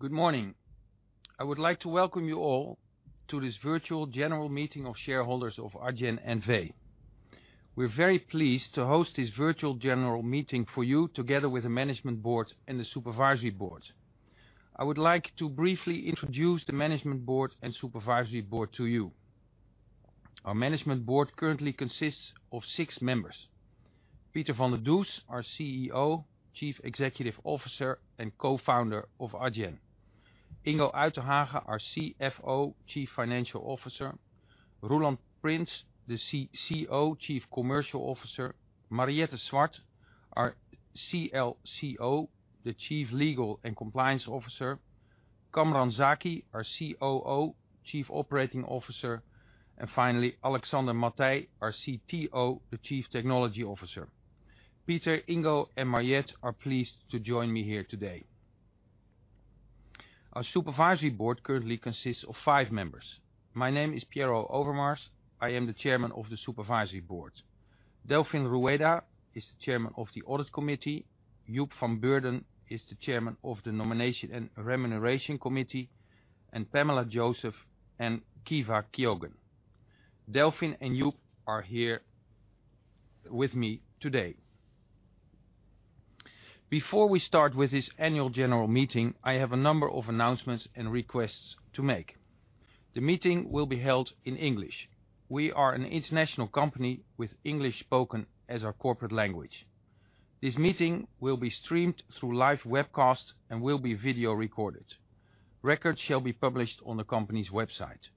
Good morning. I would like to welcome you all to this virtual general meeting of shareholders of Adyen N.V. We're very pleased to host this virtual general meeting for you together with the management board and the supervisory board. I would like to briefly introduce the management board and supervisory board to you. Our management board currently consists of six members. Pieter van der Does, our Chief Executive Officer and co-founder of Adyen. Ingo Uytdehaage, our Chief Financial Officer, Chief Financial Officer. Roelant Prins, Chief Commercial Officer. Mariëtte Swart, our Chief Legal and Compliance Officer. Kamran Zaki, our Chief Operating Officer, and finally, Alexander Matthey the Chief Technology Officer. Pieter, Ingo, and Mariëtte are pleased to join me here today. Our supervisory board currently consists of five members. My name is Piero Overmars. I am the Chairman of the Supervisory Board. Delfin Rueda is the Chairman of the Audit Committee, Joep van Beurden is the Chairman of the Nomination and Remuneration Committee, and Pamela Joseph and Caoimhe Keogan. Delfin and Joep are here with me today. Before we start with this annual general meeting, I have a number of announcements and requests to make. The meeting will be held in English. We are an international company with English spoken as our corporate language. This meeting will be streamed through live webcast and will be video recorded. Records shall be published on the company's website.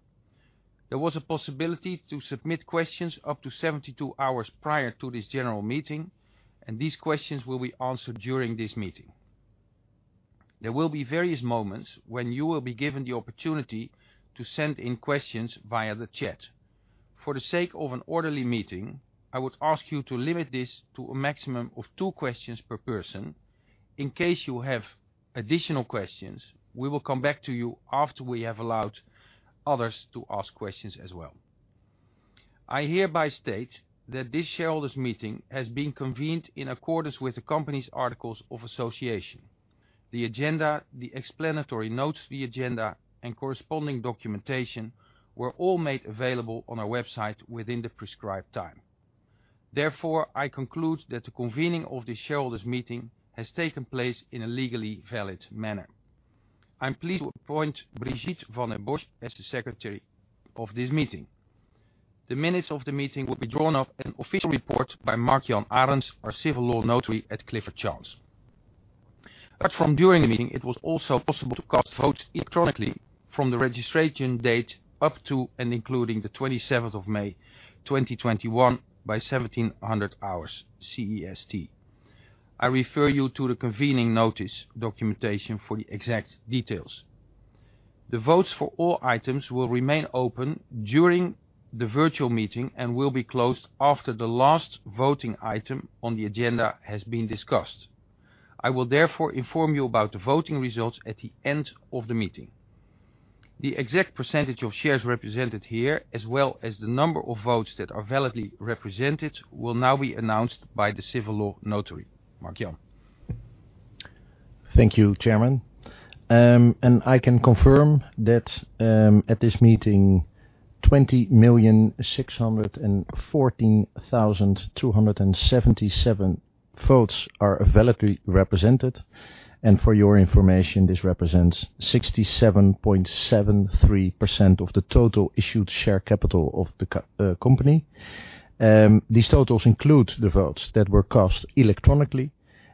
There was a possibility to submit questions up to 72 hours prior to this general meeting, and these questions will be answered during this meeting. There will be various moments when you will be given the opportunity to send in questions via the chat. For the sake of an orderly meeting, I would ask you to limit this to a maximum of two questions per person. In case you have additional questions, we will come back to you after we have allowed others to ask questions as well. I hereby state that this shareholders' meeting has been convened in accordance with the company's articles of association. The agenda, the explanatory notes to the agenda, and corresponding documentation were all made available on our website within the prescribed time. I conclude that the convening of this shareholders' meeting has taken place in a legally valid manner. I'm pleased to appoint Brigitte van den Bosch as the secretary of this meeting. The minutes of the meeting will be drawn up as an official report by Mark-Jan Arends, our civil law notary at Clifford Chance. Apart from during the meeting, it was also possible to cast votes electronically from the registration date up to and including the May 27th, 2021 by 1700 hours CEST. I refer you to the convening notice documentation for the exact details. The votes for all items will remain open during the virtual meeting and will be closed after the last voting item on the agenda has been discussed. I will therefore inform you about the voting results at the end of the meeting. The exact percentage of shares represented here, as well as the number of votes that are validly represented, will now be announced by the Civil Law Notary, Mark-Jan. Thank you, Chairman. I can confirm that at this meeting, 20,614,277 votes are validly represented. For your information, this represents 67.73% of the total issued share capital of the company. These totals include the votes that were cast electronically,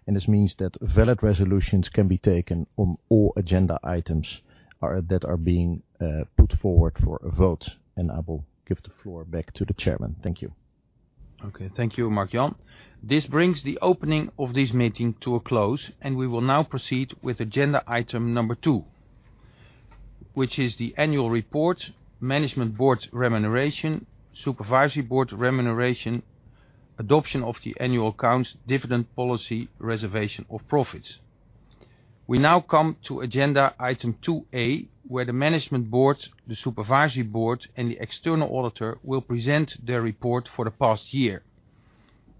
this means that valid resolutions can be taken on all agenda items that are being put forward for a vote. I will give the floor back to the chairman. Thank you. Okay. Thank you, Mark-Jan. This brings the opening of this meeting to a close, and we will now proceed with Agenda Item Number 2, which is the annual report, management board remuneration, supervisory board remuneration, adoption of the annual accounts, dividend policy, reservation of profits. We now come to agenda Item 2A, where the management board, the supervisory board, and the external auditor will present their report for the past year.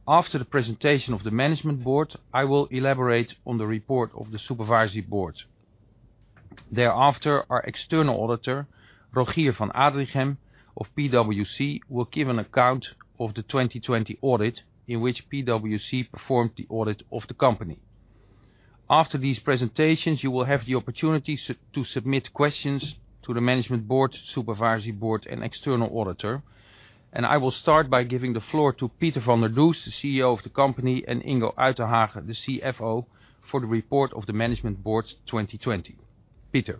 After the presentation of the management board, I will elaborate on the report of the supervisory board. Thereafter, our external auditor, Rogier van Adrichem of PwC, will give an account of the 2020 audit in which PwC performed the audit of the company. After these presentations, you will have the opportunity to submit questions to the management board, supervisory board, and external auditor. I will start by giving the floor to Pieter van der Does, the CEO of the company, and Ingo Uytdehaage, the Chief Financial Officer, for the report of the management board 2020. Pieter.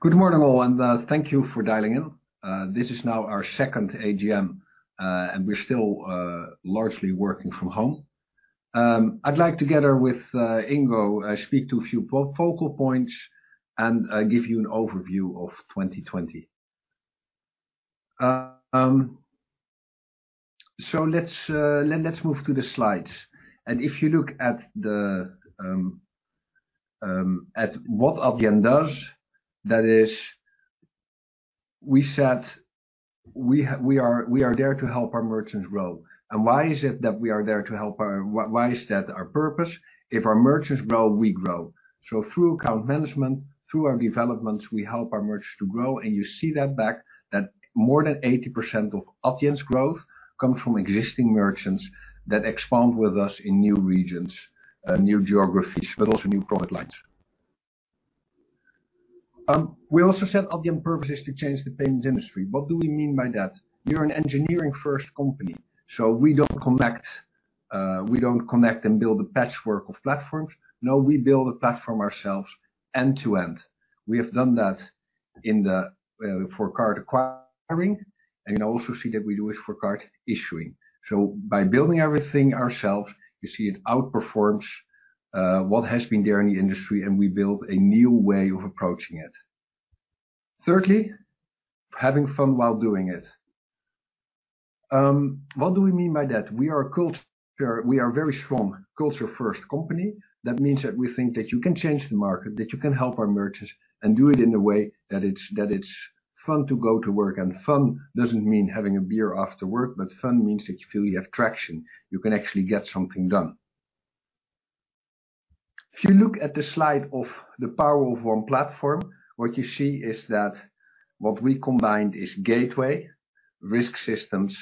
Good morning, all, and thank you for dialing in. This is now our second AGM, and we're still largely working from home. I'd like, together with Ingo, speak to a few focal points and give you an overview of 2020. Let's move to the slides. If you look at what Adyen does, we said we are there to help our merchants grow. Why is it that we are there to help? Why is that our purpose? If our merchants grow, we grow. Through account management, through our developments, we help our merchants to grow. You see that back that more than 80% of Adyen's growth comes from existing merchants that expand with us in new regions, new geographies, but also new product lines. We also said Adyen purpose is to change the payments industry. What do we mean by that? We are an engineering-first company. We don't connect and build a patchwork of platforms. No, we build the platform ourselves end-to-end. We have done that for card acquiring, and you also see that we do it for card issuing. By building everything ourselves, you see it outperforms what has been there in the industry, and we build a new way of approaching it. Thirdly, having fun while doing it. What do we mean by that? We are a very strong culture-first company. That means that we think that you can change the market, that you can help our merchants and do it in a way that it's fun to go to work. Fun doesn't mean having a beer after work, but fun means that you feel you have traction. You can actually get something done. If you look at the slide of the power of one platform, what you see is that what we combined is gateway, risk systems,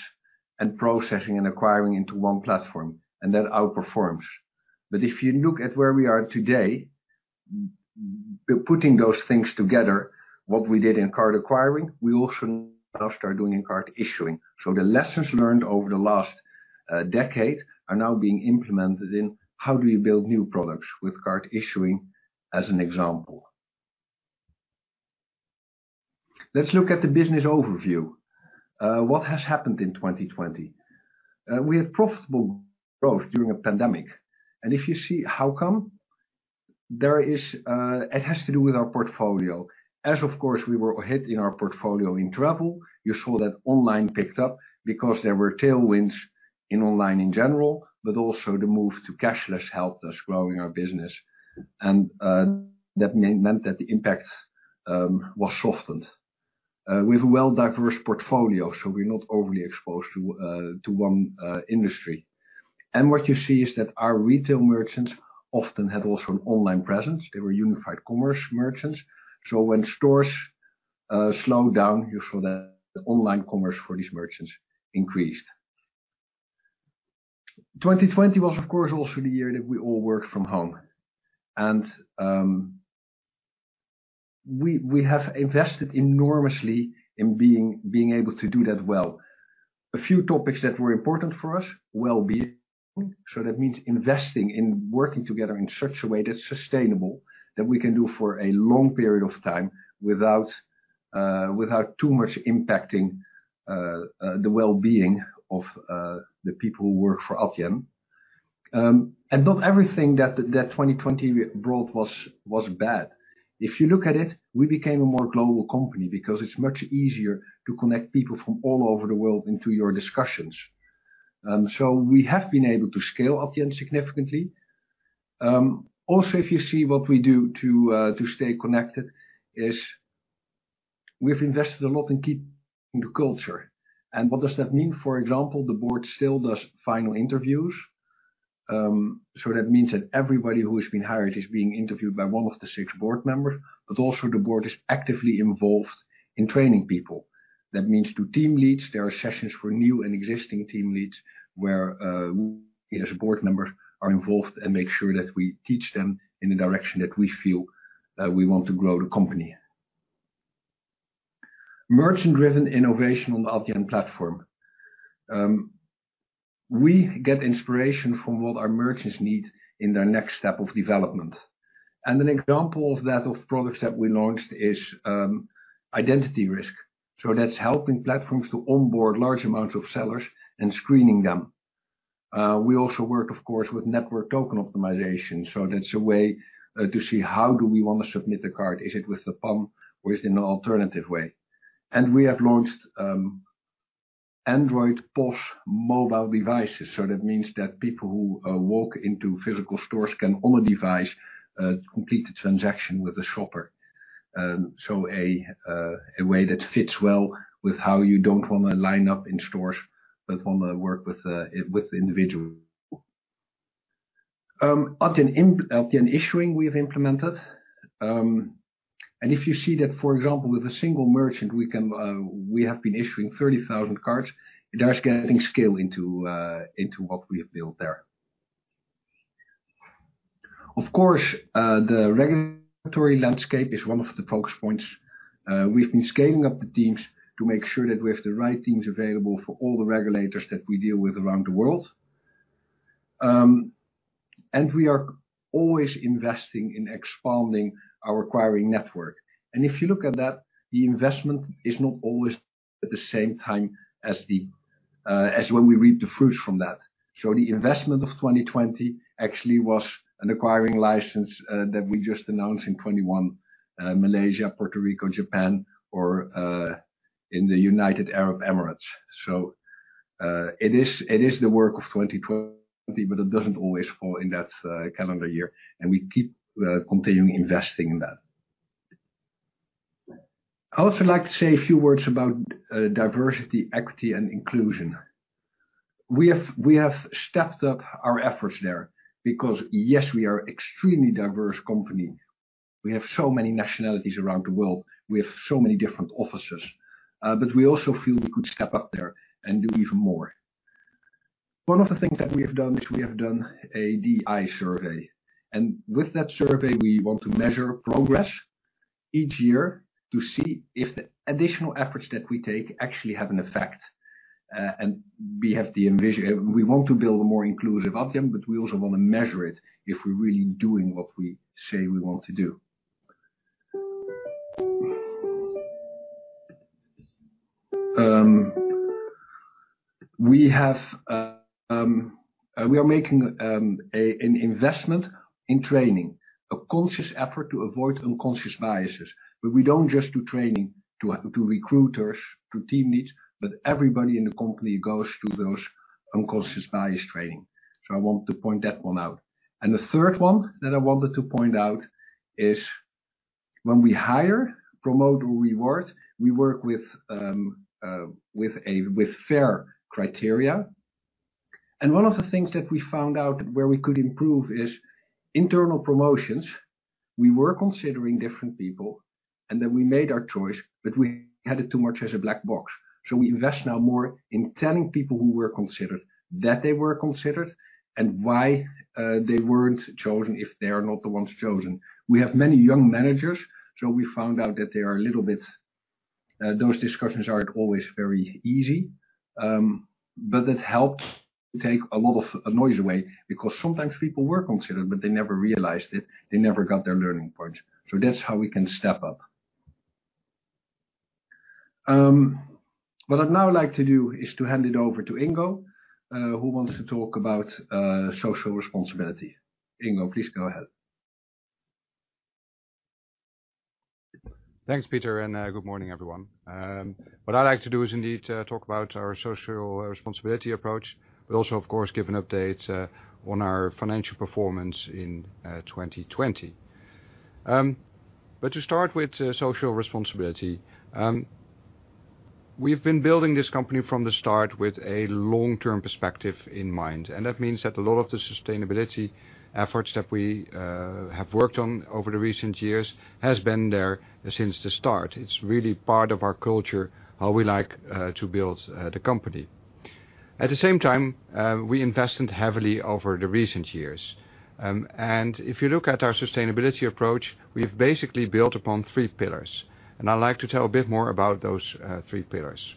and processing and acquiring into one platform, and that outperforms. If you look at where we are today, putting those things together, what we did in card acquiring, we also now start doing in card issuing. The lessons learned over the last decade are now being implemented in how do we build new products with card issuing as an example. Let's look at the business overview. What has happened in 2020? We have profitable growth during a pandemic, and if you see how come, it has to do with our portfolio. As of course, we were hit in our portfolio in travel, you saw that online picked up because there were tailwinds in online in general, but also the move to cashless helped us growing our business. That meant that the impact was softened. We have a well-diverse portfolio, so we're not overly exposed to one industry. What you see is that our retail merchants often had also an online presence. They were Unified Commerce merchants. When stores slowed down, you saw that online commerce for these merchants increased. 2020 was, of course, also the year that we all worked from home. We have invested enormously in being able to do that well. A few topics that were important for us, wellbeing. That means investing in working together in such a way that's sustainable, that we can do for a long period of time without too much impacting the wellbeing of the people who work for Adyen. Not everything that 2020 brought was bad. If you look at it, we became a more global company because it's much easier to connect people from all over the world into your discussions. We have been able to scale Adyen significantly. Also, if you see what we do to stay connected is we've invested a lot in keeping the culture. What does that mean? For example, the board still does final interviews. That means that everybody who has been hired is being interviewed by one of the six board members, but also the board is actively involved in training people. That means to team leads, there are sessions for new and existing team leads where we as board members are involved and make sure that we teach them in the direction that we feel that we want to grow the company. Merchant-driven innovation on Adyen platform. We get inspiration from what our merchants need in their next step of development. An example of that, of products that we launched is identity risk. That's helping platforms to onboard large amounts of sellers and screening them. We also work, of course, with Network Token Optimization. That's a way to see how do we want to submit the card. Is it with the PAN or is it in an alternative way? We have launched Android POS mobile devices. That means that people who walk into physical stores can, on a device, complete a transaction with a shopper. A way that fits well with how you don't want to line up in stores, but want to work with individuals. Adyen Issuing, we've implemented. If you see that, for example, with a single merchant, we have been issuing 30,000 cards, it does scale into what we've built there. Of course, the regulatory landscape is one of the focus points. We've been scaling up the teams to make sure that we have the right teams available for all the regulators that we deal with around the world. We are always investing in expanding our acquiring network. If you look at that, the investment is not always at the same time as when we reap the fruits from that. The investment of 2020 actually was an acquiring license that we just announced in 2021, Malaysia, Puerto Rico, Japan, or in the United Arab Emirates. It is the work of 2020, but it doesn't always fall in that calendar year, and we keep continuing investing in that. I would also like to say a few words about diversity, equity, and inclusion. We have stepped up our efforts there because, yes, we are extremely diverse company. We have so many nationalities around the world. We have so many different offices. We also feel we could step up there and do even more. One of the things that we have done is we have done a D&I survey, and with that survey, we want to measure progress each year to see if the additional efforts that we take actually have an effect. We want to build a more inclusive Adyen, but we also want to measure it if we're really doing what we say we want to do. We are making an investment in training, a conscious effort to avoid unconscious biases. We don't just do training to recruiters, to team leads, but everybody in the company goes through those unconscious bias training. I want to point that one out. The third one that I wanted to point out is when we hire, promote, or reward, we work with fair criteria. One of the things that we found out where we could improve is internal promotions. We were considering different people, and then we made our choice, but we had it too much as a black box. We invest now more in telling people who were considered that they were considered and why they weren't chosen if they are not the ones chosen. We have many young managers, so we found out that those discussions aren't always very easy. It helps take a lot of noise away because sometimes people were considered, but they never realized it. They never got their learning points. That's how we can step up. What I'd now like to do is to hand it over to Ingo, who wants to talk about social responsibility. Ingo, please go ahead. Thanks, Pieter. Good morning, everyone. What I'd like to do is indeed talk about our social responsibility approach, but also, of course, give an update on our financial performance in 2020. To start with social responsibility, we've been building this company from the start with a long-term perspective in mind, and that means that a lot of the sustainability efforts that we have worked on over the recent years has been there since the start. It's really part of our culture, how we like to build the company. At the same time, we invested heavily over the recent years. If you look at our sustainability approach, we've basically built upon three pillars, and I'd like to tell a bit more about those three pillars.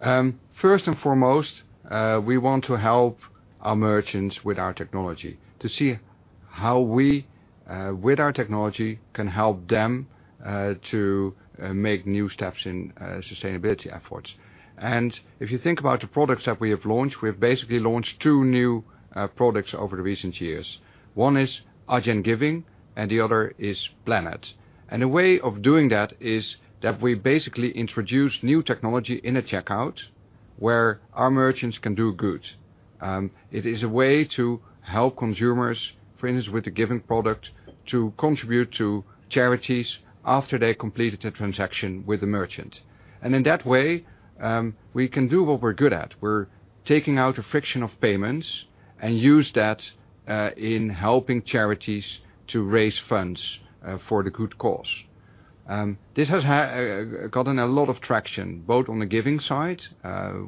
First and foremost, we want to help our merchants with our technology to see how we, with our technology, can help them to make new steps in sustainability efforts. If you think about the products that we have launched, we have basically launched two new products over the recent years. One is Adyen Giving and the other is Planet. A way of doing that is that we basically introduce new technology in a checkout where our merchants can do good. It is a way to help consumers, for instance, with the Giving product, to contribute to charities after they completed a transaction with the merchant. In that way, we can do what we're good at. We're taking out a friction of payments and use that in helping charities to raise funds for the good cause. This has gotten a lot of traction, both on the Giving side,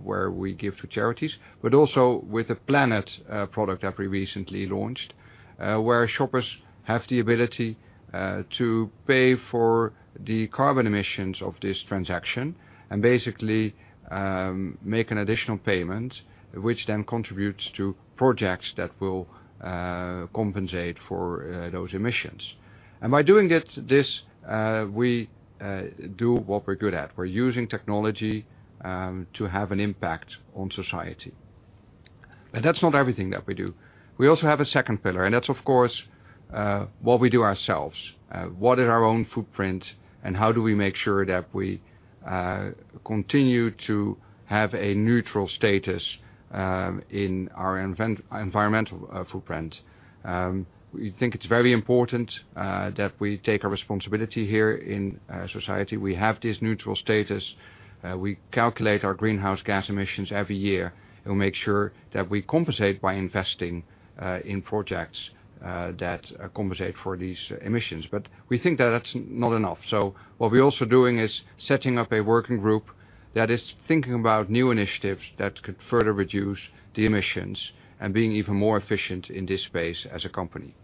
where we give to charities, but also with the Planet product that we recently launched, where shoppers have the ability to pay for the carbon emissions of this transaction and basically make an additional payment, which then contributes to projects that will compensate for those emissions. By doing this, we do what we're good at. We're using technology to have an impact on society. That's not everything that we do. We also have a second pillar, and that's, of course, what we do ourselves, what is our own footprint, and how do we make sure that we continue to have a neutral status in our environmental footprint. We think it's very important that we take a responsibility here in society. We have this neutral status. We calculate our greenhouse gas emissions every year and make sure that we compensate by investing in projects that compensate for these emissions. We think that that's not enough. What we're also doing is setting up a working group that is thinking about new initiatives that could further reduce the emissions and being even more efficient in this space as a company.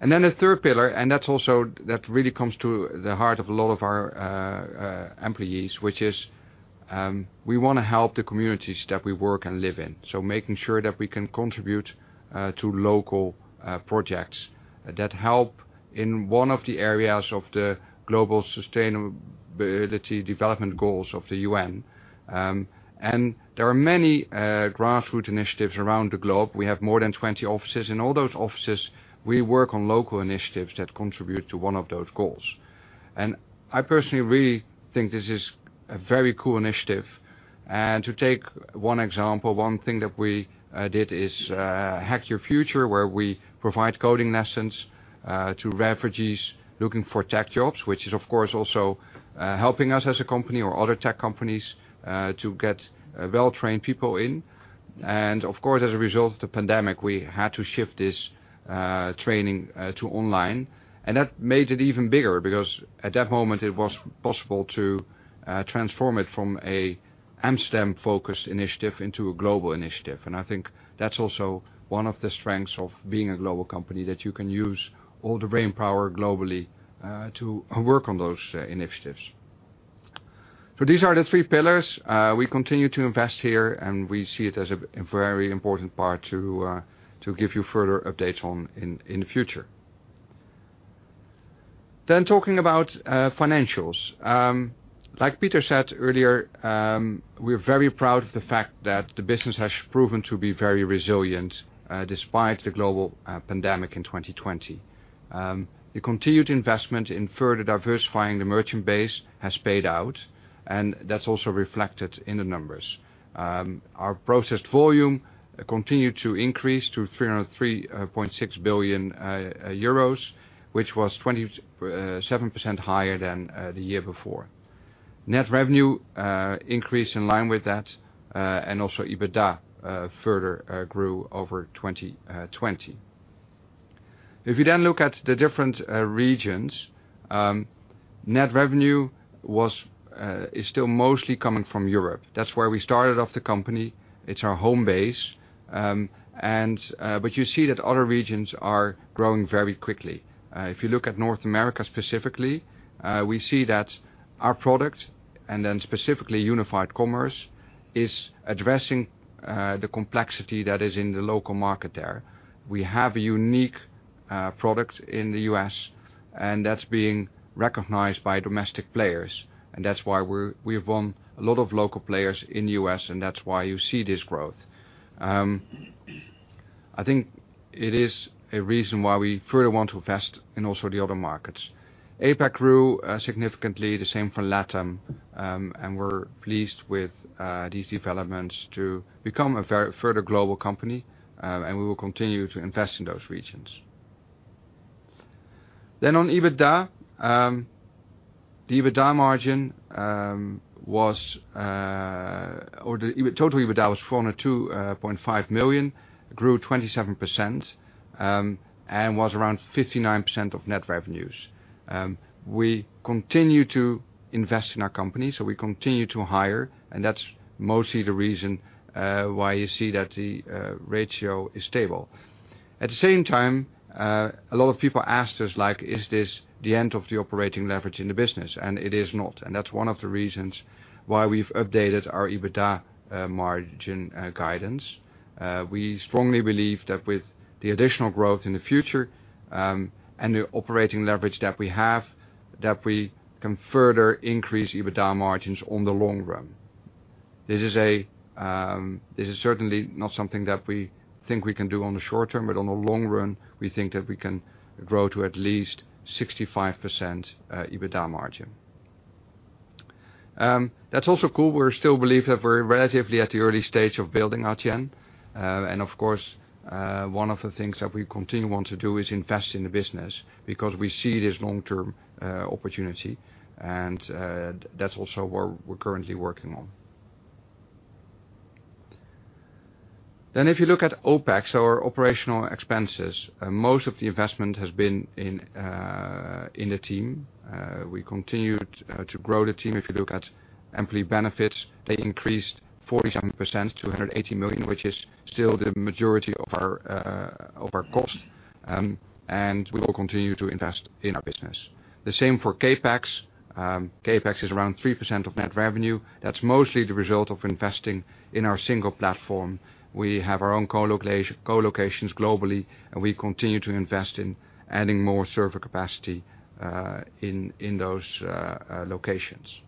The third pillar, and that really comes to the heart of a lot of our employees, which is we want to help the communities that we work and live in. Making sure that we can contribute to local projects that help in one of the areas of the global sustainability development goals of the United Nations. There are many grassroots initiatives around the globe. We have more than 20 offices. In all those offices, we work on local initiatives that contribute to one of those goals. I personally really think this is a very cool initiative. To take one example, one thing that we did is HackYourFuture, where we provide coding lessons to refugees looking for tech jobs, which is of course, also helping us as a company or other tech companies to get well-trained people in. Of course, as a result of the pandemic, we had to shift this training to online, and that made it even bigger because at that moment it was possible to transform it from a Amsterdam-focused initiative into a global initiative. I think that's also one of the strengths of being a global company, that you can use all the brainpower globally to work on those initiatives. These are the three pillars. We continue to invest here, and we see it as a very important part to give you further updates on in the future. Talking about financials. Like Pieter said earlier, we are very proud of the fact that the business has proven to be very resilient despite the global pandemic in 2020. The continued investment in further diversifying the merchant base has paid out, and that is also reflected in the numbers. Our processed volume continued to increase to 303.6 billion euros, which was 27% higher than the year before. Net revenue increased in line with that, and also EBITDA further grew over 2020. If you then look at the different regions, net revenue is still mostly coming from Europe. That is where we started off the company. It is our home base. You see that other regions are growing very quickly. If you look at North America specifically, we see that our product, and then specifically Unified Commerce, is addressing the complexity that is in the local market there. We have a unique product in the U.S., and that's being recognized by domestic players, and that's why we've won a lot of local players in the U.S., and that's why you see this growth. I think it is a reason why we further want to invest in also the other markets. APAC grew significantly, the same for LATAM, and we're pleased with these developments to become a further global company, and we will continue to invest in those regions. On EBITDA. The EBITDA margin was or the total EBITDA was 402.5 million, grew 27%, and was around 59% of net revenues. We continue to invest in our company, so we continue to hire, and that's mostly the reason why you see that the ratio is stable. At the same time, a lot of people ask us, like, "Is this the end of the operating leverage in the business?" It is not, and that's one of the reasons why we've updated our EBITDA margin guidance. We strongly believe that with the additional growth in the future, and the operating leverage that we have, that we can further increase EBITDA margins on the long run. This is certainly not something that we think we can do on the short term, but on the long run, we think that we can grow to at least 65% EBITDA margin. That's also cool. We still believe that we're relatively at the early stage of building Adyen, and of course, one of the things that we continue on to do is invest in the business because we see this long-term opportunity, and that's also what we're currently working on. If you look at OpEx, our operational expenses, most of the investment has been in the team. We continued to grow the team. If you look at employee benefits, they increased 47% to 180 million, which is still the majority of our cost, and we will continue to invest in our business. The same for CapEx. CapEx is around 3% of net revenue. That's mostly the result of investing in our single platform. We have our own co-locations globally, and we continue to invest in adding more server capacity in those locations.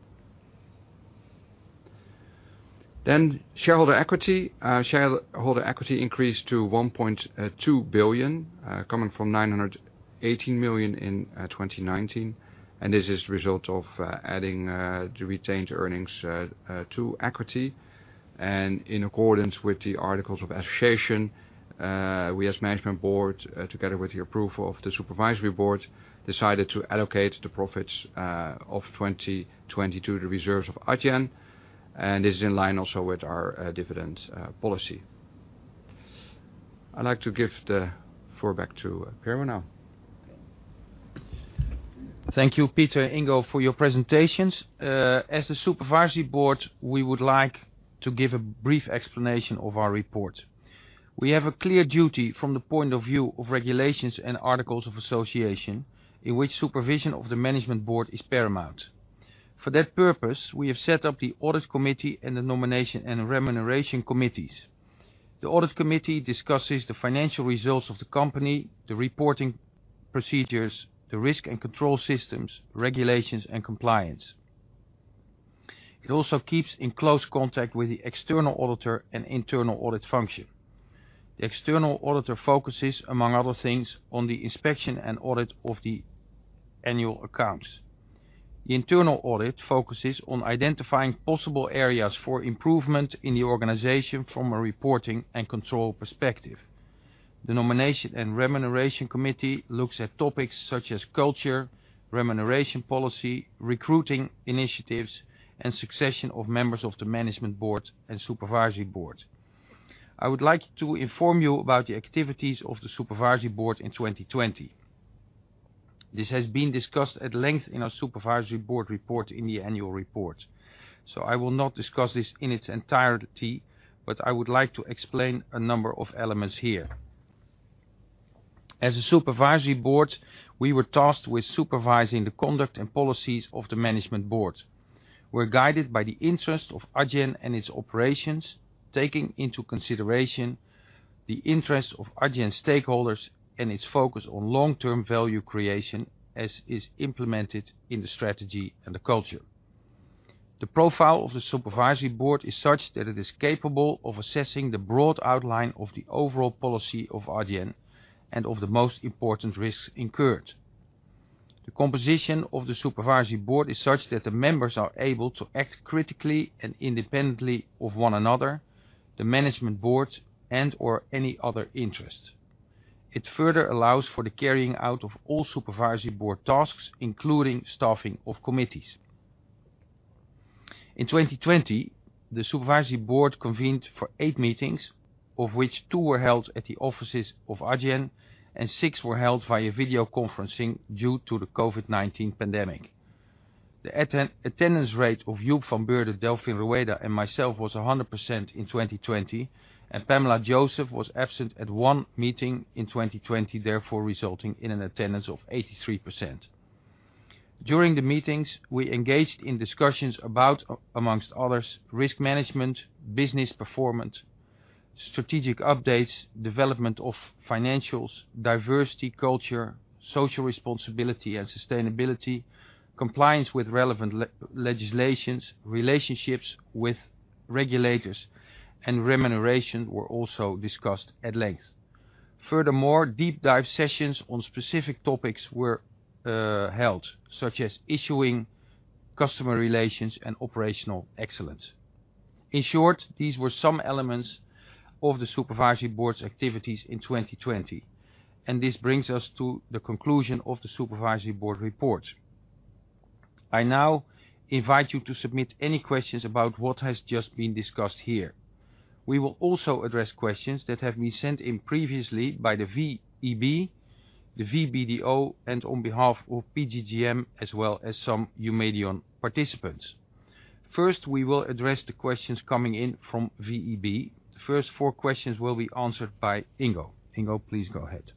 Shareholder equity. Shareholder equity increased to 1.2 billion, coming from 918 million in 2019, and this is a result of adding the retained earnings to equity. In accordance with the articles of association, we as Management Board, together with the approval of the Supervisory Board, decided to allocate the profits of 2022 to the reserves of Adyen, and is in line also with our dividend policy. I'd like to give the floor back to Pieter now. Thank you, Pieter and Ingo, for your presentations. As the Supervisory Board, we would like to give a brief explanation of our report. We have a clear duty from the point of view of regulations and articles of association in which supervision of the Management Board is paramount. For that purpose, we have set up the Audit Committee and the Nomination and Remuneration Committees. The Audit Committee discusses the financial results of the company, the reporting procedures, the risk and control systems, regulations, and compliance. It also keeps in close contact with the external auditor and internal audit function. The external auditor focuses, among other things, on the inspection and audit of the annual accounts. The internal audit focuses on identifying possible areas for improvement in the organization from a reporting and control perspective. The Nomination and Remuneration Committee looks at topics such as culture, remuneration policy, recruiting initiatives, and succession of members of the Management Board and Supervisory Board. I would like to inform you about the activities of the Supervisory Board in 2020. This has been discussed at length in our Supervisory Board report in the Annual Report. I will not discuss this in its entirety, but I would like to explain a number of elements here. As a Supervisory Board, we were tasked with supervising the conduct and policies of the Management Board. We're guided by the interest of Adyen and its operations, taking into consideration the interests of Adyen stakeholders and its focus on long-term value creation, as is implemented in the strategy and the culture. The profile of the supervisory board is such that it is capable of assessing the broad outline of the overall policy of Adyen and of the most important risks incurred. The composition of the supervisory board is such that the members are able to act critically and independently of one another, the management board, and/or any other interest. It further allows for the carrying out of all supervisory board tasks, including staffing of committees. In 2020, the supervisory board convened for eight meetings, of which two were held at the offices of Adyen and six were held via video conferencing due to the COVID-19 pandemic. The attendance rate of Joep van Beurden, Delfin Rueda, and myself was 100% in 2020, and Pamela Joseph was absent at one meeting in 2020, therefore resulting in an attendance of 83%. During the meetings, we engaged in discussions about, among others, risk management, business performance, strategic updates, development of financials, diversity, culture, social responsibility and sustainability, compliance with relevant legislations, relationships with regulators, and remuneration were also discussed at length. Furthermore, deep dive sessions on specific topics were held, such as issuing customer relations and operational excellence. In short, these were some elements of the Supervisory Board's activities in 2020, and this brings us to the conclusion of the Supervisory Board report. I now invite you to submit any questions about what has just been discussed here. We will also address questions that have been sent in previously by the VEB, the VBDO, and on behalf of PGGM, as well as some Eumedion participants. First, we will address the questions coming in from VEB. The first four questions will be answered by Ingo. Ingo, please go ahead.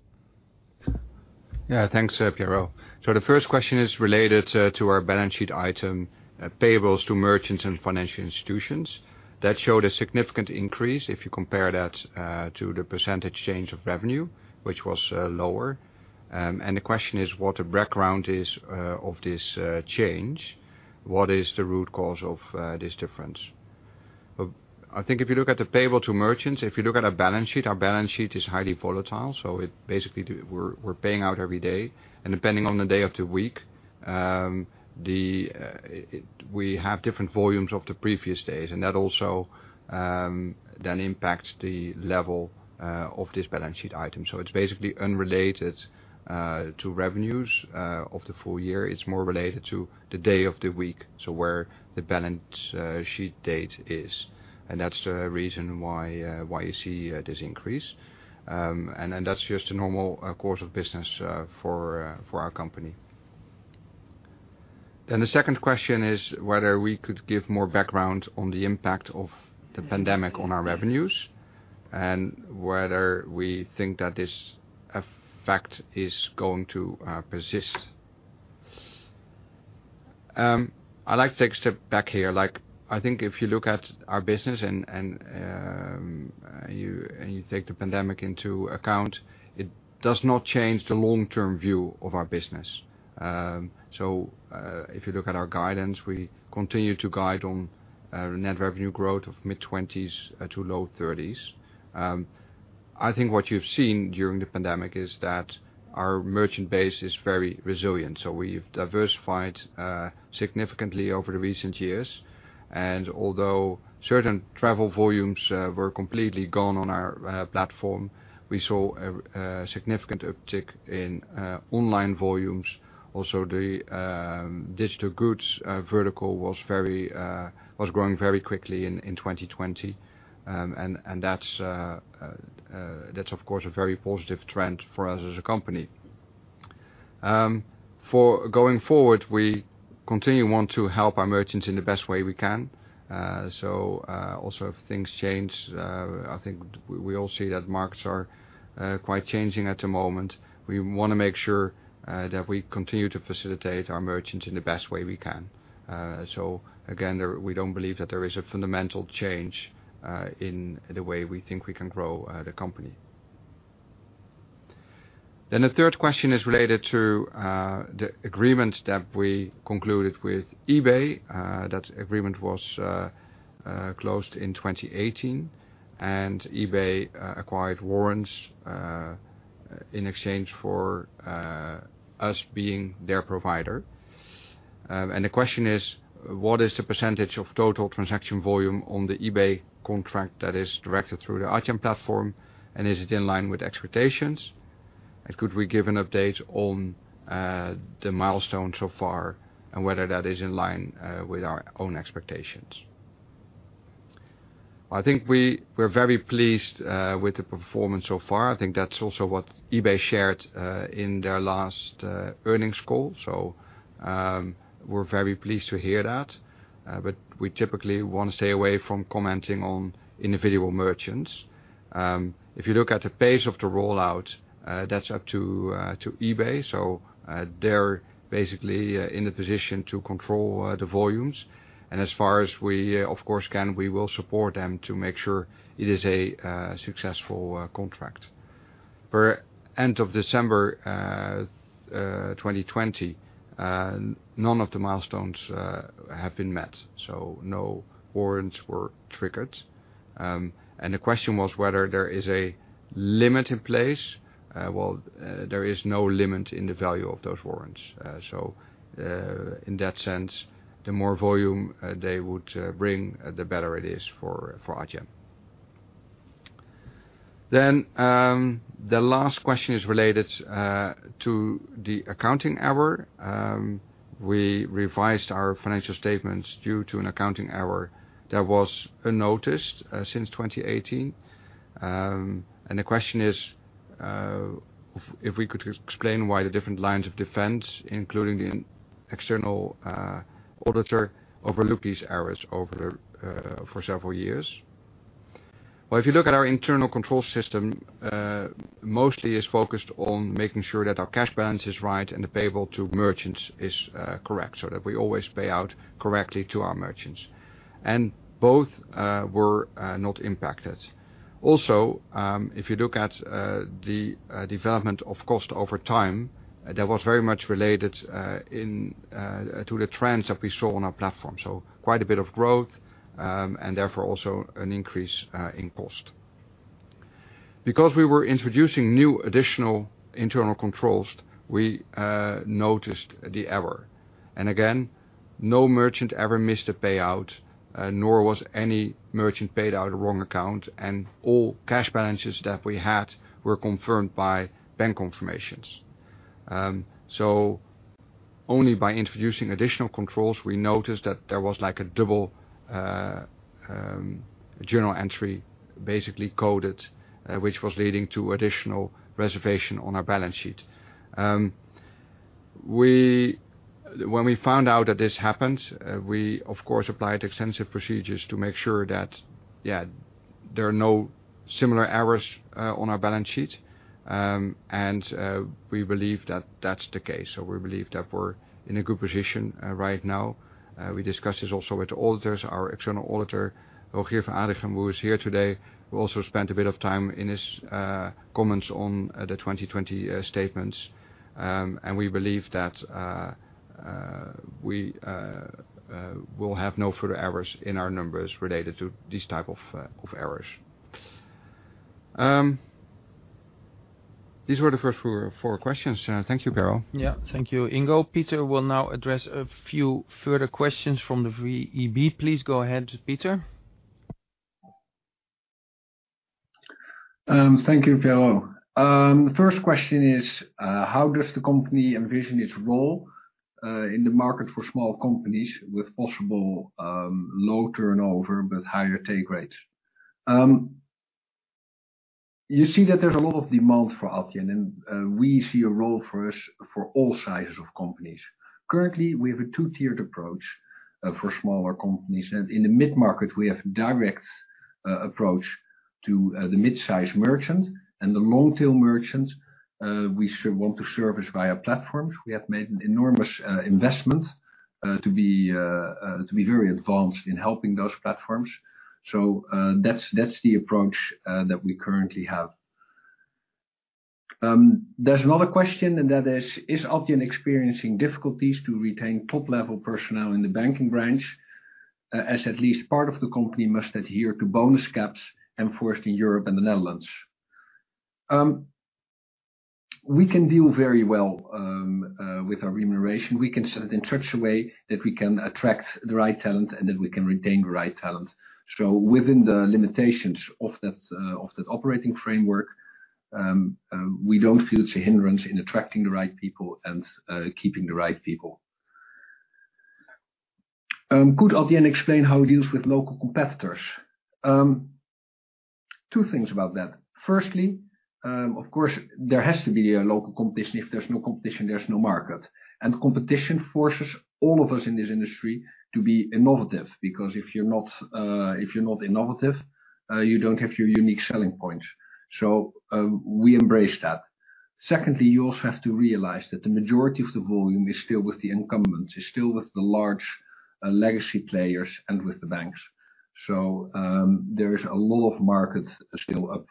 Yeah, thanks, Piero. The first question is related to our balance sheet item, payables to merchants and financial institutions. That showed a significant increase if you compare that to the percentage change of revenue, which was lower. The question is what the background is of this change. What is the root cause of this difference? I think if you look at the payable to merchants, if you look at our balance sheet, our balance sheet is highly volatile. Basically, we're paying out every day, and depending on the day of the week, we have different volumes of the previous days, and that also then impacts the level of this balance sheet item. It's basically unrelated to revenues of the full year. It's more related to the day of the week, so where the balance sheet date is. That's the reason why you see this increase, and that's just a normal course of business for our company. The second question is whether we could give more background on the impact of the pandemic on our revenues and whether we think that this effect is going to persist. I like to take a step back here. I think if you look at our business and you take the pandemic into account, it does not change the long-term view of our business. If you look at our guidance, we continue to guide on net revenue growth of mid-20s to low 30s. I think what you've seen during the pandemic is that our merchant base is very resilient. We've diversified significantly over the recent years, and although certain travel volumes were completely gone on our platform, we saw a significant uptick in online volumes. The digital goods vertical was growing very quickly in 2020, and that's of course a very positive trend for us as a company. For going forward, we continue want to help our merchants in the best way we can. If things change, I think we all see that markets are quite changing at the moment. We want to make sure that we continue to facilitate our merchants in the best way we can. Again, we don't believe that there is a fundamental change in the way we think we can grow the company. The third question is related to the agreement that we concluded with eBay. That agreement was closed in 2018, and eBay acquired warrants in exchange for us being their provider. The question is, what is the percentage of total transaction volume on the eBay contract that is directed through the Adyen platform, and is it in line with expectations? Could we give an update on the milestone so far and whether that is in line with our own expectations? I think we're very pleased with the performance so far. I think that's also what eBay shared in their last earnings call. We're very pleased to hear that. We typically want to stay away from commenting on individual merchants. If you look at the pace of the rollout, that's up to eBay. They're basically in the position to control the volumes. As far as we, of course, can, we will support them to make sure it is a successful contract. For end of December 2020, none of the milestones have been met, so no warrants were triggered. The question was whether there is a limit in place. Well, there is no limit in the value of those warrants. In that sense, the more volume they would bring, the better it is for Adyen. The last question is related to the accounting error. We revised our financial statements due to an accounting error that was unnoticed since 2018. The question is, if we could explain why the different lines of defense, including the external auditor, overlook these errors for several years. Well, if you look at our internal control system, mostly is focused on making sure that our cash balance is right and the payable to merchants is correct, so that we always pay out correctly to our merchants. Both were not impacted. If you look at the development of cost over time, that was very much related to the trends that we saw on our platform. Quite a bit of growth, and therefore, also an increase in cost. We were introducing new additional internal controls, we noticed the error. Again, no merchant ever missed a payout, nor was any merchant paid out a wrong account, and all cash balances that we had were confirmed by bank confirmations. Only by introducing additional controls, we noticed that there was a double journal entry, basically coded, which was leading to additional reservation on our balance sheet. We found out that this happened, we of course applied extensive procedures to make sure that there are no similar errors on our balance sheet. We believe that that's the case, so we believe that we're in a good position right now. We discussed this also with the auditors, our external auditor, Rogier van Adrichem, who is here today, who also spent a bit of time in his comments on the 2020 statements. We believe that we'll have no further errors in our numbers related to these type of errors. These were the first four questions. Thank you, Piero. Yeah. Thank you, Ingo. Pieter will now address a few further questions from the VEB. Please go ahead, Pieter. Thank you, Piero. The first question is, how does the company envision its role in the market for small companies with possible low turnover but higher take rates? You see that there's a lot of demand for Adyen. We see a role for us for all sizes of companies. Currently, we have a two-tiered approach for smaller companies. In the mid-market, we have direct approach to the mid-size merchant. The long-tail merchants, we want to service via platforms. We have made an enormous investment to be very advanced in helping those platforms. That's the approach that we currently have. There's another question. That is Adyen experiencing difficulties to retain top-level personnel in the banking branch, as at least part of the company must adhere to bonus caps enforced in Europe and the Netherlands? We can deal very well with our remuneration. We can set it in such a way that we can attract the right talent and that we can retain the right talent. Within the limitations of that operating framework, we don't feel it's a hindrance in attracting the right people and keeping the right people. Could Adyen explain how it deals with local competitors? Two things about that. Firstly, of course, there has to be a local competition. If there's no competition, there's no market. Competition forces all of us in this industry to be innovative, because if you're not innovative, you don't have your unique selling points. We embrace that. Secondly, you also have to realize that the majority of the volume is still with the incumbents, is still with the large legacy players and with the banks. There is a lot of market still up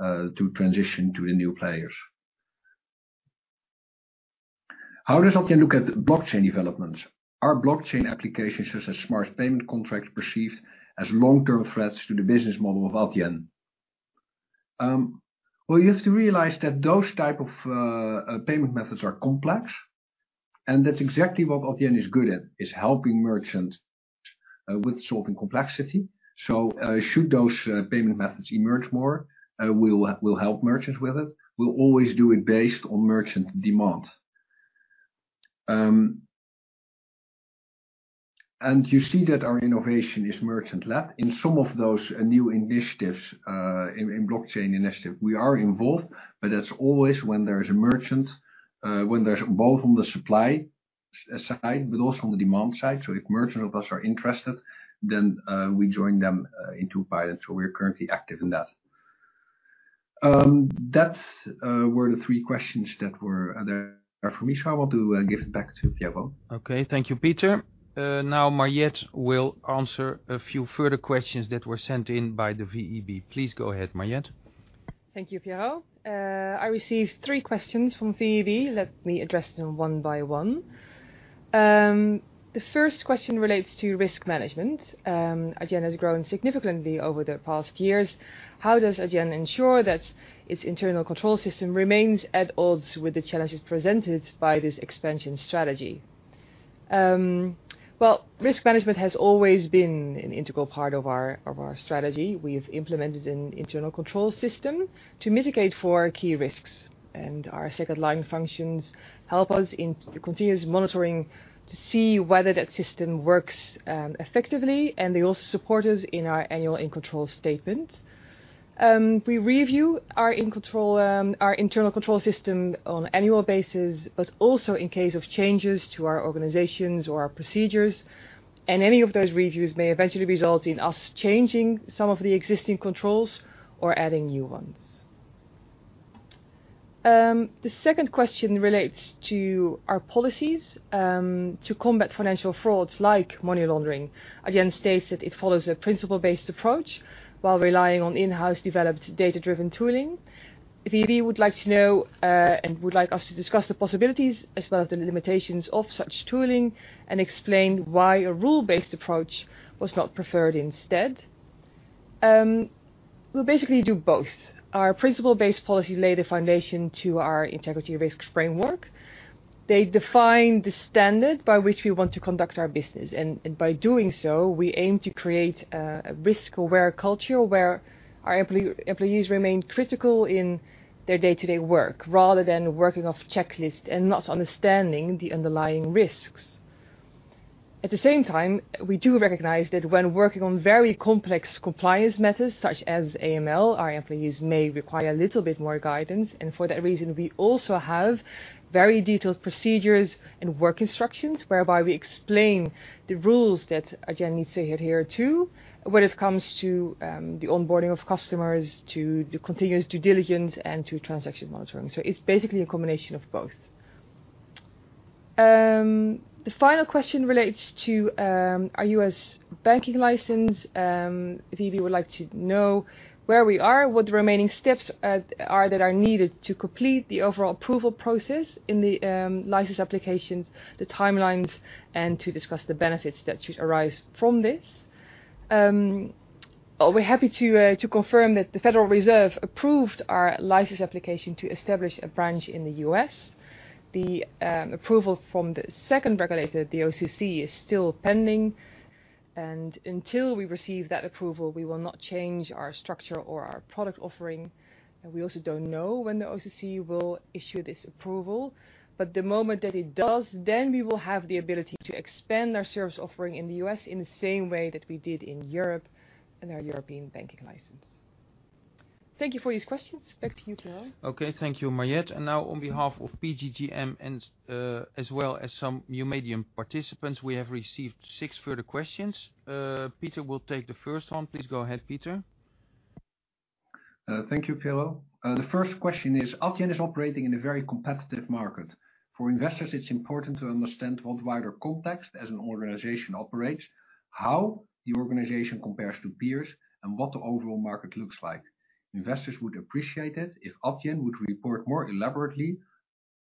to transition to the new players. How does Adyen look at blockchain developments? Are blockchain applications, such as smart payment contracts, perceived as long-term threats to the business model of Adyen? Well, you have to realize that those type of payment methods are complex, and that's exactly what Adyen is good at, is helping merchants with solving complexity. Should those payment methods emerge more, we'll help merchants with it. We'll always do it based on merchant demand. You see that our innovation is merchant led. In some of those new initiatives, in blockchain initiative, we are involved, but that's always when there's a merchant, when there's both on the supply side but also on the demand side. If merchant of us are interested, then we join them into pilot. We're currently active in that. That's were the three questions that were there from me. I want to give it back to Piero. Okay. Thank you, Pieter. Mariëtte will answer a few further questions that were sent in by the VEB. Please go ahead, Mariëtte. Thank you, Piero. I received three questions from VEB. Let me address them one by one. The first question relates to risk management. Adyen has grown significantly over the past years. How does Adyen ensure that its internal control system remains at odds with the challenges presented by this expansion strategy? Well, risk management has always been an integral part of our strategy. We've implemented an internal control system to mitigate for key risks, and our second line functions help us in the continuous monitoring to see whether that system works effectively, and they also support us in our annual in control statement. We review our internal control system on annual basis, but also in case of changes to our organizations or our procedures. Any of those reviews may eventually result in us changing some of the existing controls or adding new ones. The second question relates to our policies to combat financial frauds like money laundering. Adyen states that it follows a principle-based approach while relying on in-house developed data-driven tooling. VEB would like to know, and would like us to discuss the possibilities as well as the limitations of such tooling, and explain why a rule-based approach was not preferred instead. We basically do both. Our principle-based policy lay the foundation to our integrity risks framework. They define the standard by which we want to conduct our business, and by doing so, we aim to create a risk-aware culture where our employees remain critical in their day-to-day work rather than working off checklists and not understanding the underlying risks. At the same time, we do recognize that when working on very complex compliance matters such as AML, our employees may require a little bit more guidance, and for that reason, we also have very detailed procedures and work instructions whereby we explain the rules that Adyen needs to adhere to when it comes to the onboarding of customers, to the continuous due diligence, and to transaction monitoring. It's basically a combination of both. The final question relates to our U.S. banking license. VEB would like to know where we are, what the remaining steps are that are needed to complete the overall approval process in the license applications, the timelines, and to discuss the benefits that should arise from this. We're happy to confirm that the Federal Reserve approved our license application to establish a branch in the U.S. The approval from the second regulator, the OCC, is still pending, and until we receive that approval, we will not change our structure or our product offering. We also don't know when the OCC will issue this approval, but the moment that it does, then we will have the ability to expand our service offering in the U.S. in the same way that we did in Europe and our European banking license. Thank you for these questions. Back to you, Piero. Okay. Thank you, Mariëtte Swart. Now on behalf of PGGM and as well as some new medium participants, we have received six further questions. Pieter will take the first one. Please go ahead, Pieter. Thank you, Piero. The first question is, Adyen is operating in a very competitive market. For investors, it's important to understand what wider context as an organization operates, how the organization compares to peers, and what the overall market looks like. Investors would appreciate it if Adyen would report more elaborately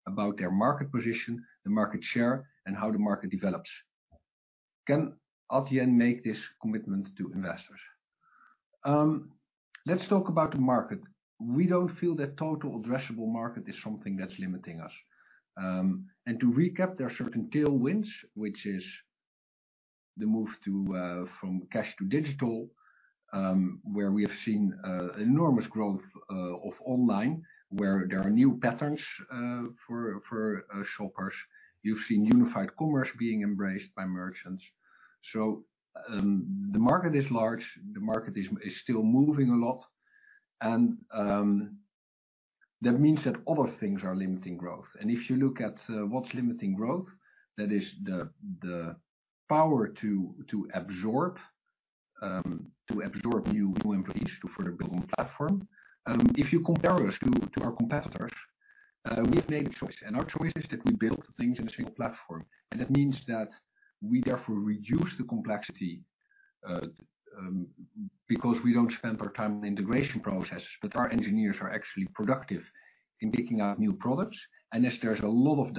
about their market position, the market share, and how the market develops. Can Adyen make this commitment to investors? Let's talk about the market. We don't feel that total addressable market is something that's limiting us. To recap, there are certain tailwinds, which is the move from cash to digital, where we have seen enormous growth of online, where there are new patterns for shoppers. You've seen Unified Commerce being embraced by merchants. The market is large, the market is still moving a lot, and that means that other things are limiting growth. If you look at what's limiting growth, that is the power to absorb new employees to further build the platform. If you compare us to our competitors. We've made a choice, and our choice is that we build things in a single platform. That means that we therefore reduce the complexity, because we don't spend our time on integration processes, but our engineers are actually productive in picking out new products. As there's a lot of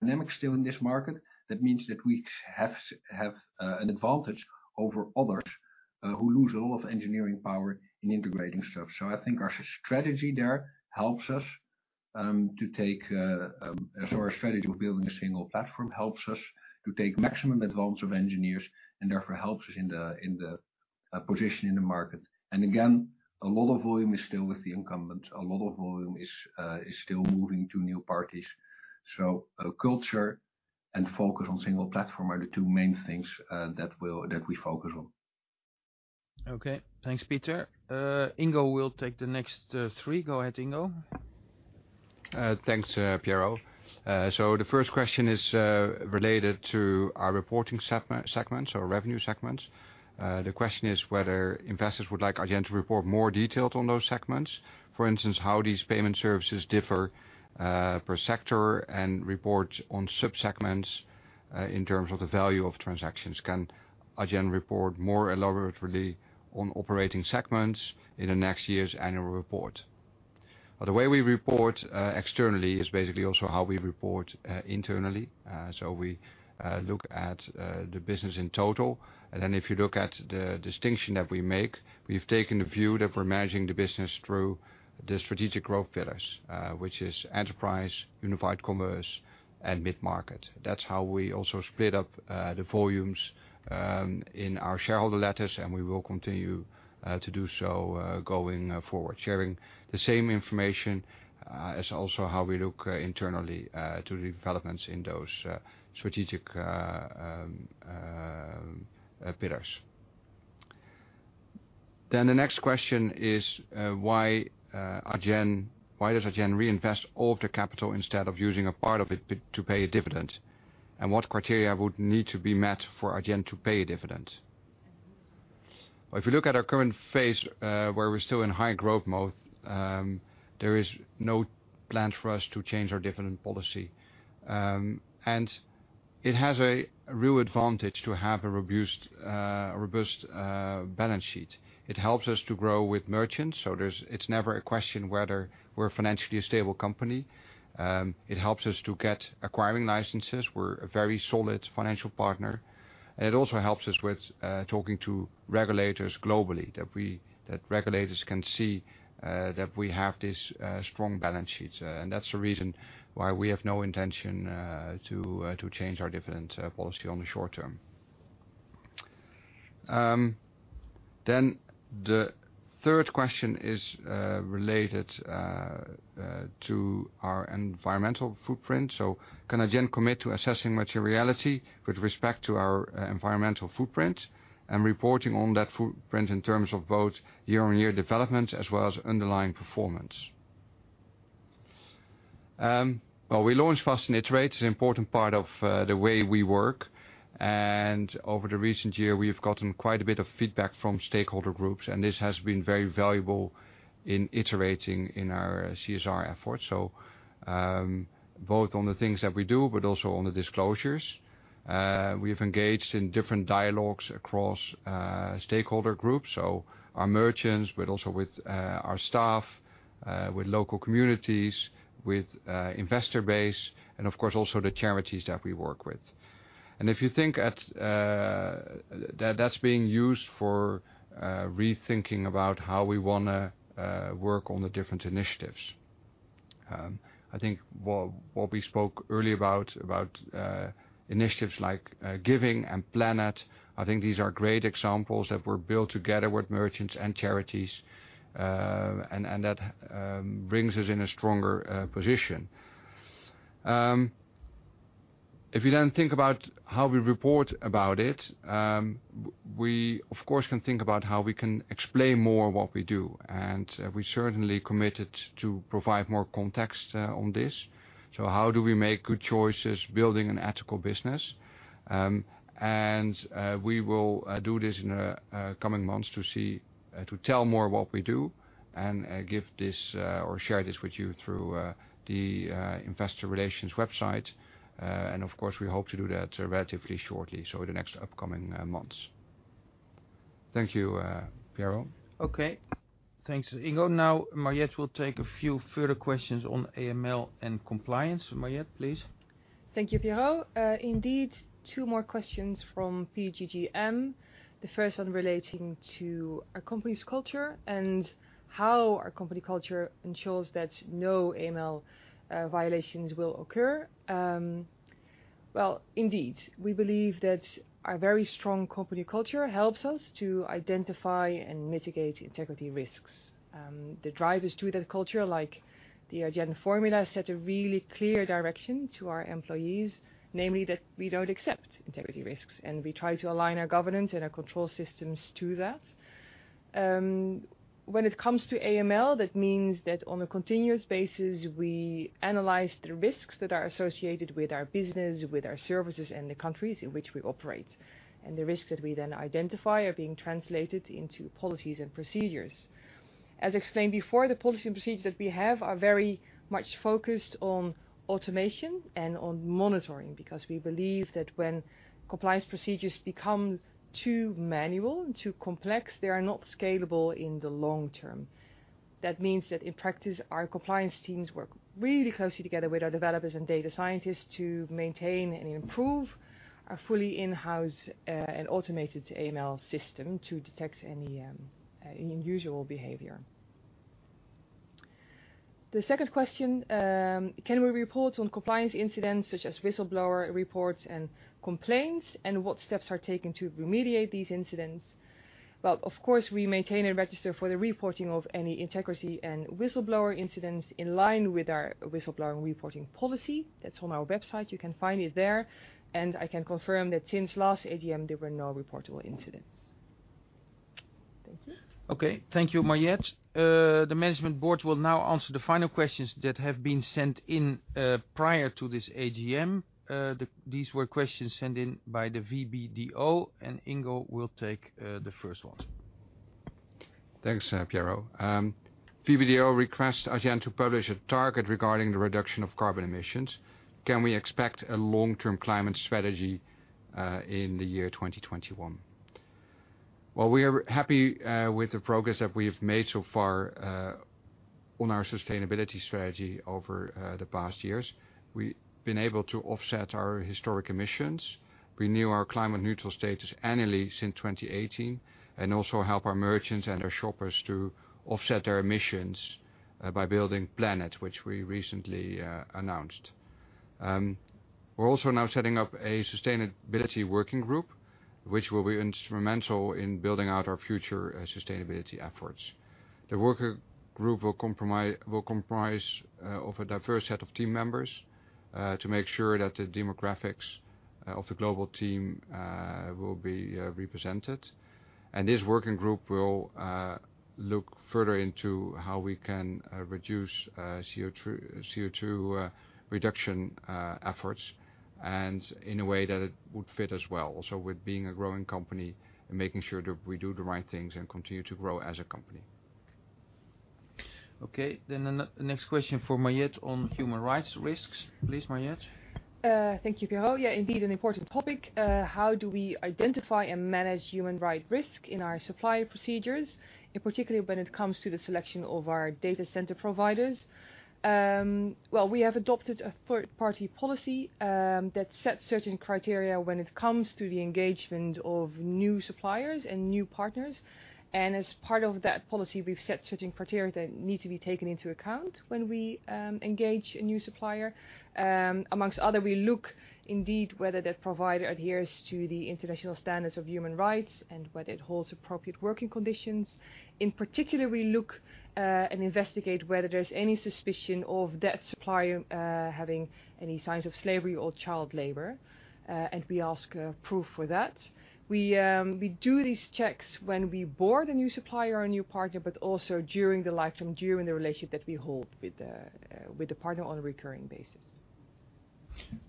dynamics still in this market, that means that we have to have an advantage over others who lose a lot of engineering power in integrating stuff. Our strategy of building a single platform helps us to take maximum advantage of engineers and therefore helps us in the position in the market. Again, a lot of volume is still with the incumbents. A lot of volume is still moving to new parties. Culture and focus on single platform are the two main things that we focus on. Okay, thanks, Pieter. Ingo will take the next three. Go ahead, Ingo. Thanks, Piero. The first question is related to our reporting segments or revenue segments. The question is whether investors would like Adyen to report more details on those segments. For instance, how these payment services differ per sector and report on sub-segments in terms of the value of transactions. Can Adyen report more elaborately on operating segments in the next year's annual report? The way we report externally is basically also how we report internally. We look at the business in total, and then if you look at the distinction that we make, we've taken the view that we're managing the business through the strategic growth pillars, which is enterprise, Unified Commerce, and mid-market. That's how we also split up the volumes in our shareholder letters, and we will continue to do so going forward. Sharing the same information is also how we look internally to the developments in those strategic pillars. The next question is why does Adyen reinvest all of the capital instead of using a part of it to pay a dividend? What criteria would need to be met for Adyen to pay a dividend? If you look at our current phase, where we're still in high growth mode, there is no plan for us to change our dividend policy. It has a real advantage to have a robust balance sheet. It helps us to grow with merchants, so it's never a question whether we're a financially stable company. It helps us to get acquiring licenses. We're a very solid financial partner. It also helps us with talking to regulators globally, that regulators can see that we have this strong balance sheet. That's the reason why we have no intention to change our dividend policy on the short term. The third question is related to our environmental footprint. Can Adyen commit to assessing materiality with respect to our environmental footprint and reporting on that footprint in terms of both year-on-year development as well as underlying performance? Well, we launch fast and iterate. It's an important part of the way we work, and over the recent year, we've gotten quite a bit of feedback from stakeholder groups, and this has been very valuable in iterating in our CSR efforts. Both on the things that we do, but also on the disclosures. We've engaged in different dialogues across stakeholder groups, so our merchants, but also with our staff, with local communities, with investor base, and of course, also the charities that we work with. If you think that's being used for rethinking about how we want to work on the different initiatives. I think what we spoke earlier about initiatives like Adyen Giving and Planet, I think these are great examples that were built together with merchants and charities, and that brings us in a stronger position. If you then think about how we report about it, we, of course, can think about how we can explain more what we do, and we certainly committed to provide more context on this. How do we make good choices building an ethical business? We will do this in the coming months to tell more what we do and give this or share this with you through the investor relations website. Of course, we hope to do that relatively shortly, so in the next upcoming months. Thank you, Piero. Okay, thanks, Ingo. Now Mariëtte Swart will take a few further questions on AML and compliance. Mariëtte Swart, please. Thank you, Piero. Two more questions from PGGM. The first one relating to our company's culture and how our company culture ensures that no AML violations will occur. Well, we believe that a very strong company culture helps us to identify and mitigate integrity risks. The drivers to that culture, like the Adyen Formula, set a really clear direction to our employees, namely that we don't accept integrity risks. We try to align our governance and our control systems to that. When it comes to AML, that means that on a continuous basis, we analyze the risks that are associated with our business, with our services in the countries in which we operate, and the risks that we then identify are being translated into policies and procedures. As explained before, the policy and procedures that we have are very much focused on automation and on monitoring, because we believe that when compliance procedures become too manual and too complex, they are not scalable in the long term. In practice, our compliance teams work really closely together with our developers and data scientists to maintain and improve our fully in-house and automated AML system to detect any unusual behavior. The second question, can we report on compliance incidents such as whistleblower reports and complaints, and what steps are taken to remediate these incidents? Well, of course, we maintain a register for the reporting of any integrity and whistleblower incidents in line with our whistleblower reporting policy. That's on our website. You can find it there. I can confirm that since last AGM, there were no reportable incidents. Thank you. Okay. Thank you, Mariëtte. The management board will now answer the final questions that have been sent in prior to this AGM. These were questions sent in by the VBDO. Ingo will take the first one. Thanks, Piero. VBDO requests Adyen to publish a target regarding the reduction of carbon emissions. Can we expect a long-term climate strategy in the year 2021? Well, we are happy with the progress that we have made so far on our sustainability strategy over the past years. We've been able to offset our historic emissions, renew our climate neutral status annually since 2018, and also help our merchants and our shoppers to offset their emissions by building Planet, which we recently announced. We're also now setting up a sustainability working group, which will be instrumental in building out our future sustainability efforts. The working group will comprise of a diverse set of team members to make sure that the demographics of the global team will be represented. This working group will look further into how we can reduce CO₂ reduction efforts and in a way that it would fit as well, with being a growing company and making sure that we do the right things and continue to grow as a company. Okay, the next question for Mariëtte on human rights risks. Please, Mariëtte. Thank you, Piero. Yeah, indeed, an important topic. How do we identify and manage human rights risk in our supplier procedures, in particular when it comes to the selection of our data center providers? Well, we have adopted a third-party policy that sets certain criteria when it comes to the engagement of new suppliers and new partners. As part of that policy, we've set certain criteria that need to be taken into account when we engage a new supplier. Among others, we look indeed whether that provider adheres to the international standards of human rights and whether it holds appropriate working conditions. In particular, we look and investigate whether there's any suspicion of that supplier having any signs of slavery or child labor, and we ask proof for that. We do these checks when we board a new supplier or a new partner, but also during the lifetime, during the relationship that we hold with the partner on a recurring basis.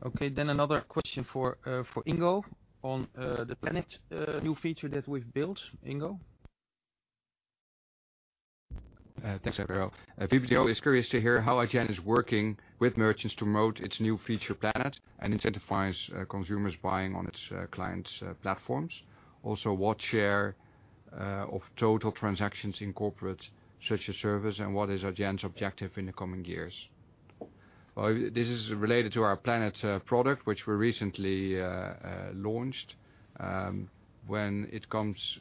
Okay, another question for Ingo on the Planet new feature that we've built. Ingo. Thanks, Piero. VBDO is curious to hear how Adyen is working with merchants to promote its new feature, Planet, and incentivize consumers buying on its clients' platforms. What share of total transactions in corporate, such as service, and what is Adyen's objective in the coming years? Well, this is related to our Planet product, which we recently launched. When it comes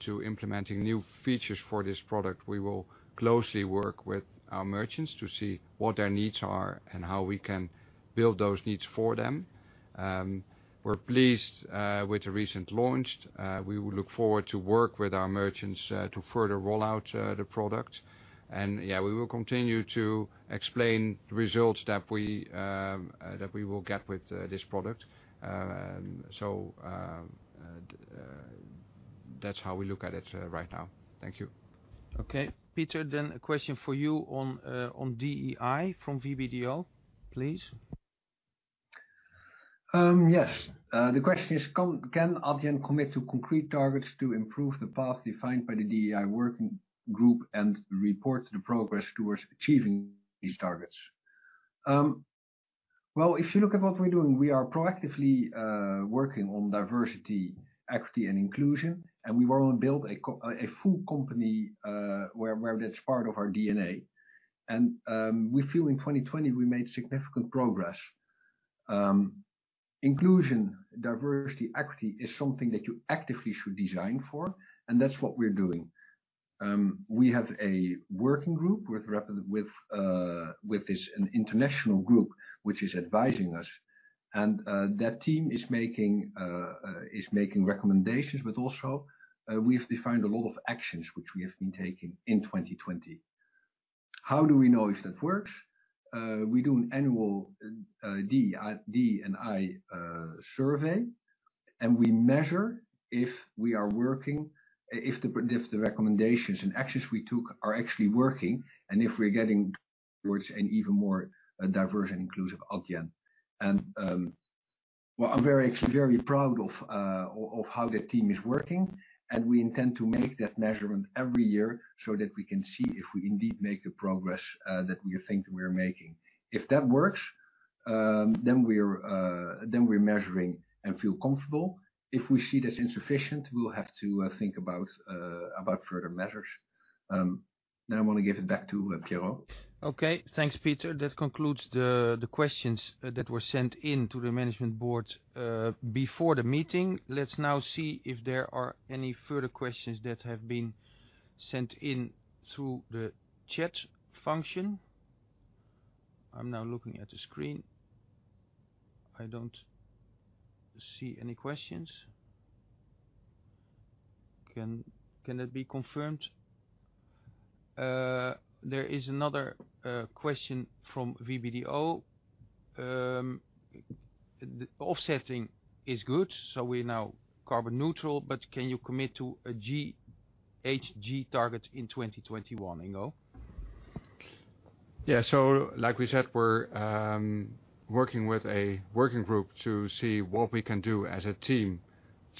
to implementing new features for this product, we will closely work with our merchants to see what their needs are and how we can build those needs for them. We're pleased with the recent launch. We look forward to work with our merchants to further roll out the product. Yeah, we will continue to explain the results that we will get with this product. That's how we look at it right now. Thank you. Okay. Pieter, then a question for you on DEI from VBDO, please. Yes. The question is, can Adyen commit to concrete targets to improve the path defined by the DEI working group and report the progress towards achieving these targets? Well, if you look at what we're doing, we are proactively working on diversity, equity, and inclusion, and we want to build a full company where that's part of our DNA. We feel in 2020, we made significant progress. Inclusion, diversity, equity is something that you actively should design for, and that's what we're doing. We have a working group with this, an international group, which is advising us, and that team is making recommendations, but also we've defined a lot of actions which we have been taking in 2020. How do we know if that works? We do an annual D&I survey, and we measure if the recommendations and actions we took are actually working and if we're getting towards an even more diverse and inclusive Adyen. Well, I'm very proud of how the team is working, and we intend to make that measurement every year so that we can see if we indeed make the progress that we think we're making. If that works, then we're measuring and feel comfortable. If we see that's insufficient, we'll have to think about further measures. I'm going to give it back to Pieter van der Does. Okay. Thanks, Pieter. That concludes the questions that were sent in to the Management Board before the meeting. Let's now see if there are any further questions that have been sent in through the chat function. I'm now looking at the screen. I don't see any questions. Can that be confirmed? There is another question from VBDO. The offsetting is good, so we're now carbon neutral, but can you commit to a GHG target in 2021, Ingo? Like we said, we're working with a working group to see what we can do as a team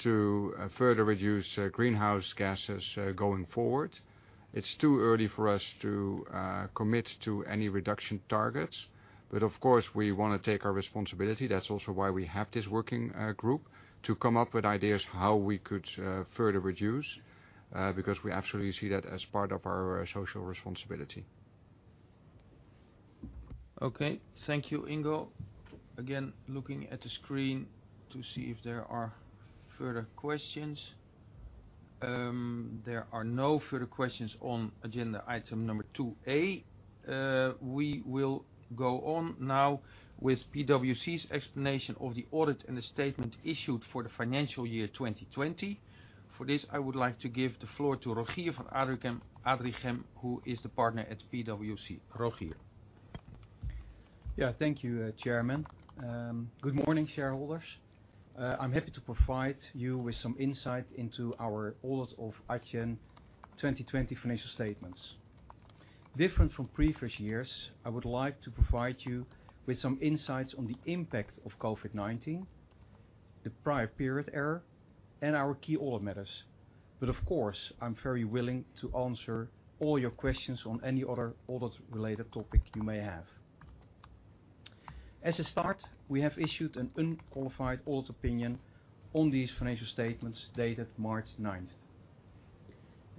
to further reduce greenhouse gases going forward. It's too early for us to commit to any reduction targets. Of course, we want to take our responsibility. That's also why we have this working group, to come up with ideas for how we could further reduce, because we absolutely see that as part of our social responsibility. Okay. Thank you, Ingo. Again, looking at the screen to see if there are further questions. There are no further questions on agenda Item Number 2A. We will go on now with PwC's explanation of the audit and the statement issued for the financial year 2020. For this, I would like to give the floor to Rogier van Adrichem, who is the partner at PwC. Rogier. Thank you, Chairman. Good morning, shareholders. I'm happy to provide you with some insight into our audit of Adyen 2020 financial statements. Different from previous years, I would like to provide you with some insights on the impact of COVID-19, the prior period error, and our key audit matters. Of course, I'm very willing to answer all your questions on any other audit-related topic you may have. As a start, we have issued an unqualified audit opinion on these financial statements dated March 9th.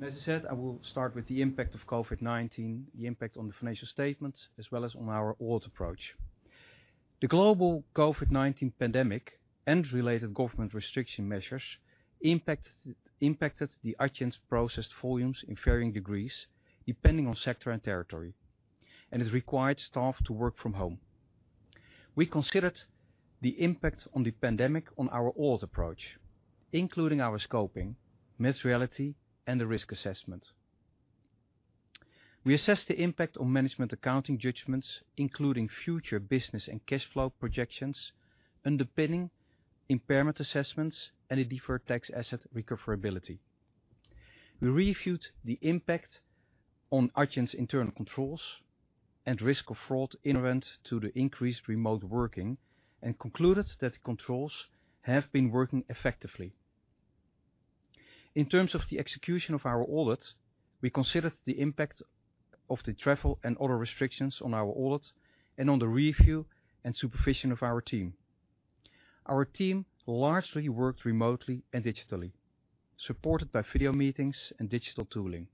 As I said, I will start with the impact of COVID-19, the impact on the financial statements, as well as on our audit approach. The global COVID-19 pandemic and related government restriction measures impacted Adyen's processed volumes in varying degrees, depending on sector and territory, and has required staff to work from home. We considered the impact on the pandemic on our audit approach, including our scoping, materiality, and the risk assessment. We assessed the impact on management accounting judgments, including future business and cash flow projections, underpinning impairment assessments, and a deferred tax asset recoverability. We reviewed the impact on Adyen's internal controls and risk of fraud inherent to the increased remote working and concluded that controls have been working effectively. In terms of the execution of our audit, we considered the impact of the travel and other restrictions on our audit and on the review and supervision of our team. Our team largely worked remotely and digitally, supported by video meetings and digital tooling.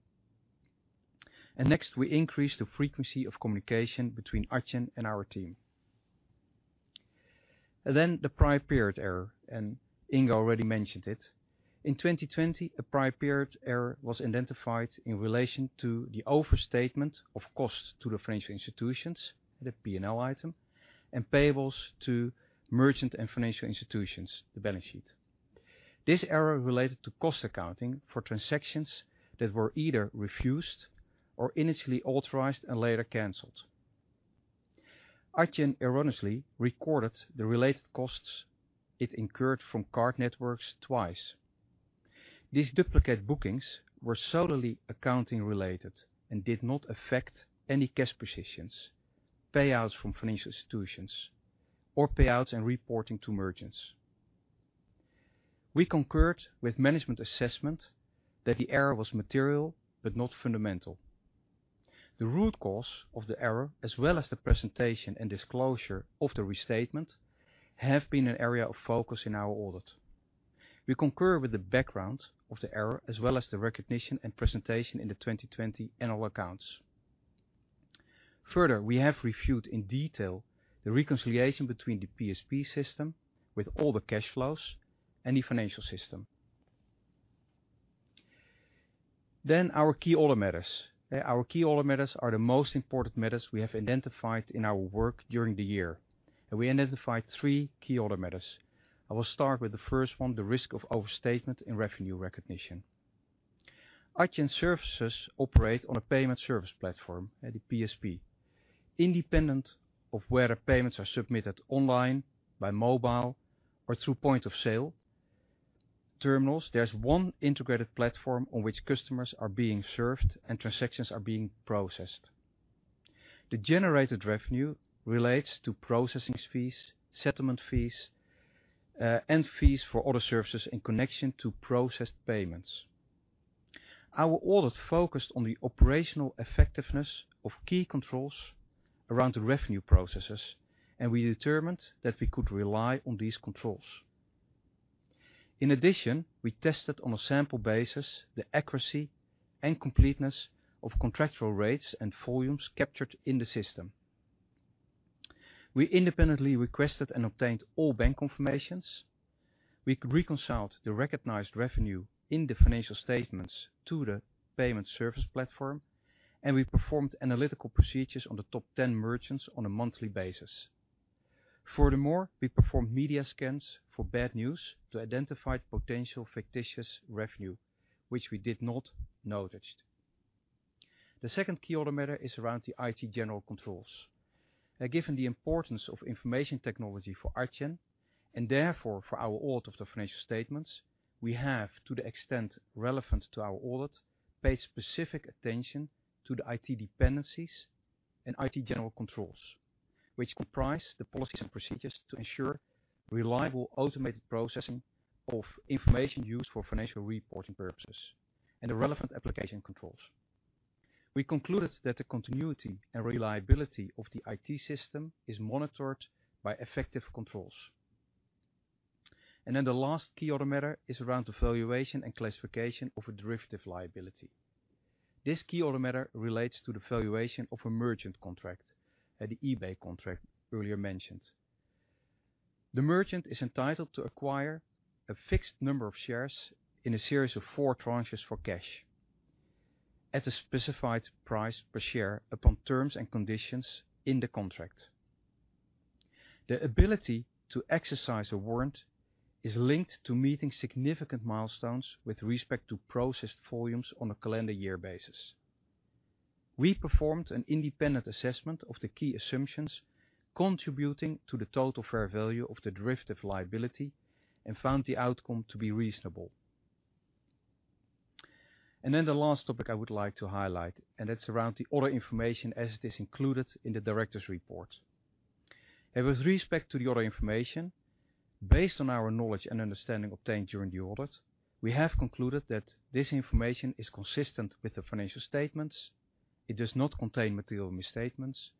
Next, we increased the frequency of communication between Adyen and our team. The prior period error, and Ingo already mentioned it. In 2020, a prior period error was identified in relation to the overstatement of cost to the financial institutions at a P&L item and payables to merchant and financial institutions, the balance sheet. This error related to cost accounting for transactions that were either refused or initially authorized and later canceled. Adyen erroneously recorded the related costs it incurred from card networks twice. These duplicate bookings were solely accounting-related and did not affect any cash positions, payouts from financial institutions, or payouts and reporting to merchants. We concurred with management assessment that the error was material but not fundamental. The root cause of the error, as well as the presentation and disclosure of the restatement, have been an area of focus in our audit. We concur with the background of the error, as well as the recognition and presentation in the 2020 annual accounts. Further, we have reviewed in detail the reconciliation between the PSP system with all the cash flows and the financial system. Our key audit matters. Our key audit matters are the most important matters we have identified in our work during the year. We identified three key audit matters. I will start with the first one, the risk of overstatement in revenue recognition. Adyen's services operate on a payment service platform, the PSP. Independent of whether payments are submitted online, by mobile, or through point-of-sale terminals, there's one integrated platform on which customers are being served and transactions are being processed. The generated revenue relates to processing fees, settlement fees, and fees for other services in connection to processed payments. Our audit focused on the operational effectiveness of key controls around the revenue processes, and we determined that we could rely on these controls. In addition, we tested on a sample basis the accuracy and completeness of contractual rates and volumes captured in the system. We independently requested and obtained all bank confirmations. We reconciled the recognized revenue in the financial statements to the payment service platform. We performed analytical procedures on the top 10 merchants on a monthly basis. Furthermore, we performed media scans for bad news to identify potential fictitious revenue, which we did not notice. The second key auditor matter is around the IT general controls. Given the importance of information technology for Adyen, and therefore for our audit of the financial statements, we have, to the extent relevant to our audit, paid specific attention to the IT dependencies and IT general controls, which comprise the policies and procedures to ensure reliable automated processing of information used for financial reporting purposes and the relevant application controls. We concluded that the continuity and reliability of the IT system is monitored by effective controls. The last key auditor matter is around the valuation and classification of a derivative liability. This key auditor matter relates to the valuation of a merchant contract, the eBay contract earlier mentioned. The merchant is entitled to acquire a fixed number of shares in a series of four tranches for cash at a specified price per share upon terms and conditions in the contract. The ability to exercise a warrant is linked to meeting significant milestones with respect to processed volumes on a calendar year basis. We performed an independent assessment of the key assumptions contributing to the total fair value of the derivative liability and found the outcome to be reasonable. The last topic I would like to highlight, and that's around the other information as it is included in the director's report. With respect to the other information, based on our knowledge and understanding obtained during the audit, we have concluded that this information is consistent with the financial statements, it does not contain material misstatements,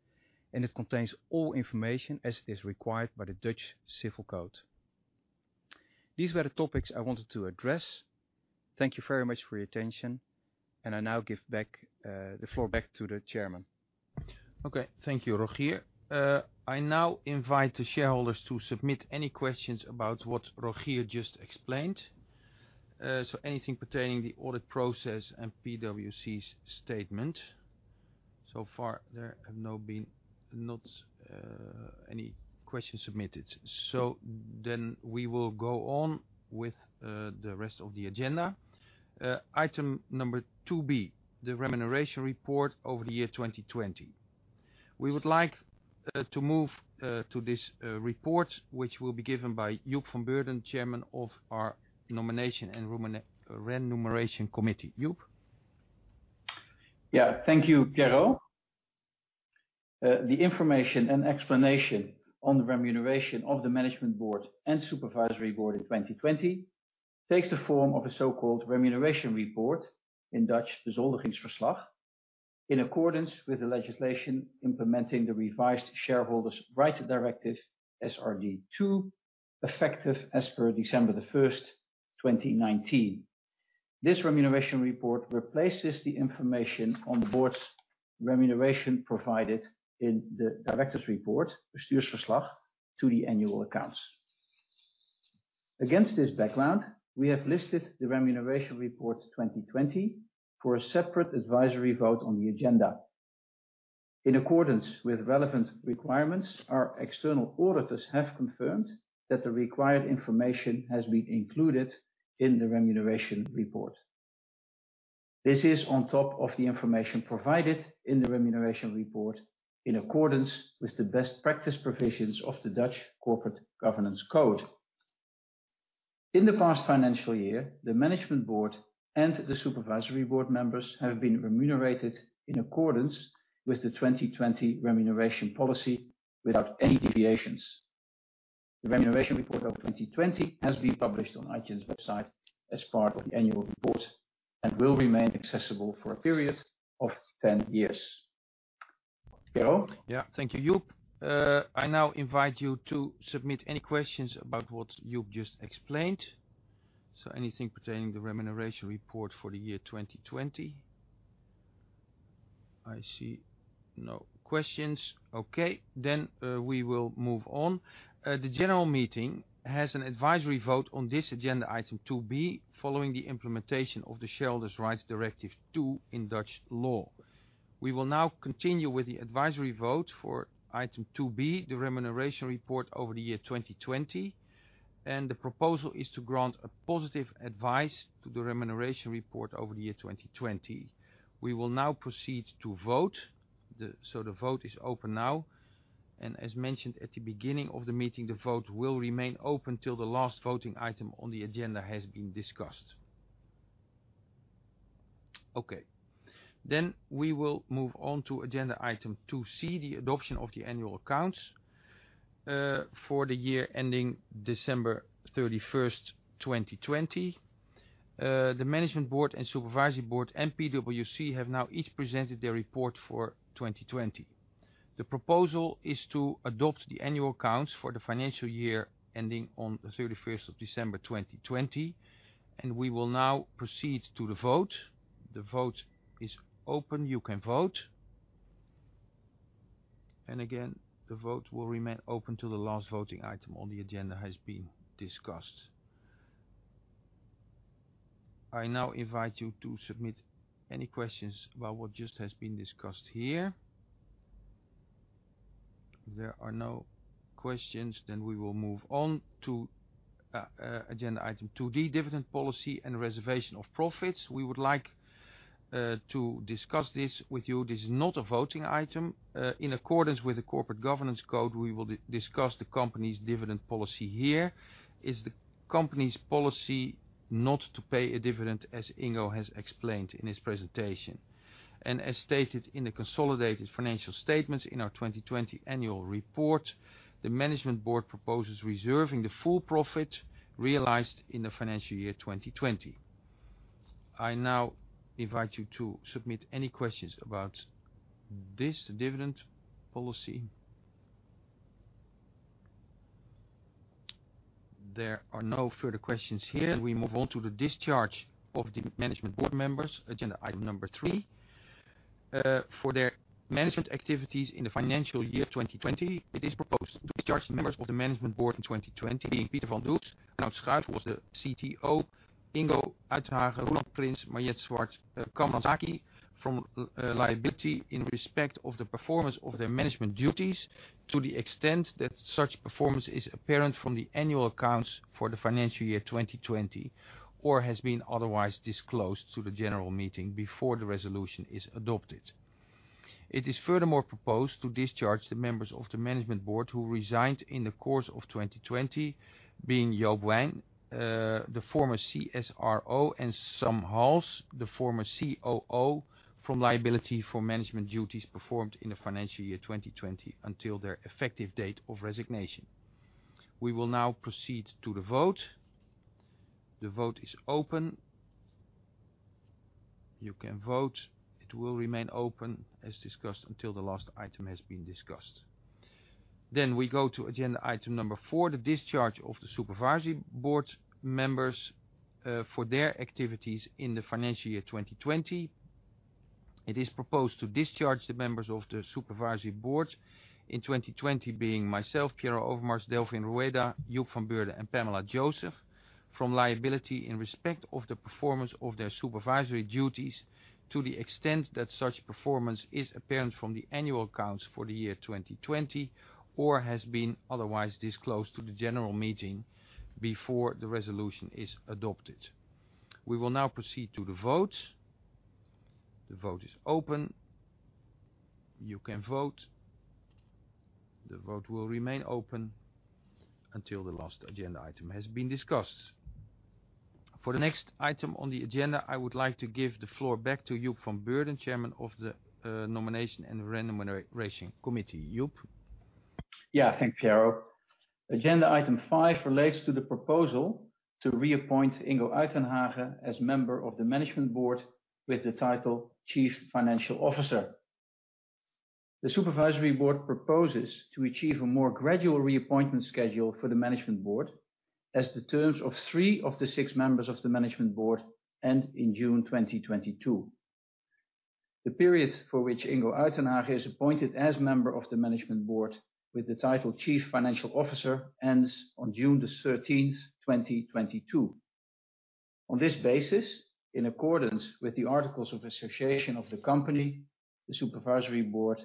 and it contains all information as is required by the Dutch Civil Code. These were the topics I wanted to address. Thank you very much for your attention, and I now give the floor back to the chairman. Okay. Thank you, Rogier. I now invite the shareholders to submit any questions about what Rogier just explained. Anything pertaining the audit process and PwC's statement. Far, there have not been any questions submitted. We will go on with the rest of the agenda. Item Number 2B, the Remuneration Report over the year 2020. We would like to move to this report, which will be given by Joep van Beurden, Chairman of our Nomination and Remuneration Committee. Joep. Thank you, Piero. The information and explanation on the remuneration of the management board and supervisory board in 2020 takes the form of a so-called remuneration report, in Dutch beloningsverslag, in accordance with the legislation implementing the revised Shareholders' Rights Directive SRD II, effective as per December 1st, 2019. This remuneration report replaces the information on the board's remuneration provided in the director's report, bestuursverslag, to the annual accounts. Against this background, we have listed the remuneration report 2020 for a separate advisory vote on the agenda. In accordance with relevant requirements, our external auditors have confirmed that the required information has been included in the remuneration report. This is on top of the information provided in the remuneration report in accordance with the best practice provisions of the Dutch Corporate Governance Code. In the past financial year, the management board and the supervisory board members have been remunerated in accordance with the 2020 remuneration policy without any deviations. The remuneration report of 2020 has been published on Adyen's website as part of the annual report, and will remain accessible for a period of 10 years. Piero Overmars? Yeah. Thank you, Joep. I now invite you to submit any questions about what Joep just explained. Anything pertaining the remuneration report for the year 2020. I see no questions. We will move on. The general meeting has an advisory vote on this Agenda Item 2B following the implementation of the Shareholders' Rights Directive II in Dutch law. We will now continue with the advisory vote for Item 2B, the remuneration report over the year 2020, and the proposal is to grant a positive advice to the remuneration report over the year 2020. We will now proceed to vote. The vote is open now. As mentioned at the beginning of the meeting, the vote will remain open till the last voting item on the agenda has been discussed. Okay, we will move on to agenda Item 2C, the adoption of the annual accounts for the year ending December 31st, 2020. The Management Board and Supervisory Board and PwC have now each presented their report for 2020. The proposal is to adopt the annual accounts for the financial year ending on the December 31st, 2020, we will now proceed to the vote. The vote is open. You can vote. Again, the vote will remain open till the last voting item on the agenda has been discussed. I now invite you to submit any questions about what just has been discussed here. If there are no questions, we will move on to Agenda Item 2D, dividend policy and reservation of profits. We would like to discuss this with you. This is not a voting item. In accordance with the Corporate Governance Code, we will discuss the company's dividend policy here. It's the company's policy not to pay a dividend, as Ingo has explained in his presentation. As stated in the consolidated financial statements in our 2020 annual report, the Management Board proposes reserving the full profit realized in the financial year 2020. I now invite you to submit any questions about this dividend policy. There are no further questions here. We move on to the discharge of the Management Board members, agenda item number three. For their management activities in the financial year 2020, it is proposed to discharge the members of the Management Board in 2020, being Pieter van der Does, Arnout Schuijff, who was the Chief Technology Officer, Ingo Uytdehaage, Roelant Prins, Mariëtte Swart, Kamran Zaki, from liability in respect of the performance of their management duties to the extent that such performance is apparent from the annual accounts for the financial year 2020, or has been otherwise disclosed to the general meeting before the resolution is adopted. It is furthermore proposed to discharge the members of the Management Board who resigned in the course of 2020, being Joep Wijn, the former Chief Sales Revenue Officer, and Sam Halse, the former Chief Operating Officer, from liability for management duties performed in the financial year 2020 until their effective date of resignation. We will now proceed to the vote. The vote is open. You can vote. It will remain open as discussed until the last item has been discussed. We go to agenda item number four, the discharge of the Supervisory Board members for their activities in the financial year 2020. It is proposed to discharge the members of the Supervisory Board in 2020, being myself, Piero Overmars, Delfin Rueda, Joep van Beurden, and Pamela Joseph, from liability in respect of the performance of their supervisory duties to the extent that such performance is apparent from the annual accounts for the year 2020, or has been otherwise disclosed to the general meeting before the resolution is adopted. We will now proceed to the vote. The vote is open. You can vote. The vote will remain open until the last agenda item has been discussed. For the next item on the agenda, I would like to give the floor back to Joep van Beurden, Chairman of the Nomination and Remuneration Committee. Joep? Yeah. Thanks, Piero. Agenda item five relates to the proposal to reappoint Ingo Uytdehaage as member of the Management Board with the title Chief Financial Officer. The Supervisory Board proposes to achieve a more gradual reappointment schedule for the Management Board as the terms of three of the six members of the Management Board end in June 2022. The period for which Ingo Uytdehaage is appointed as member of the Management Board with the title Chief Financial Officer ends on June the 13th, 2022. On this basis, in accordance with the articles of association of the company, the Supervisory Board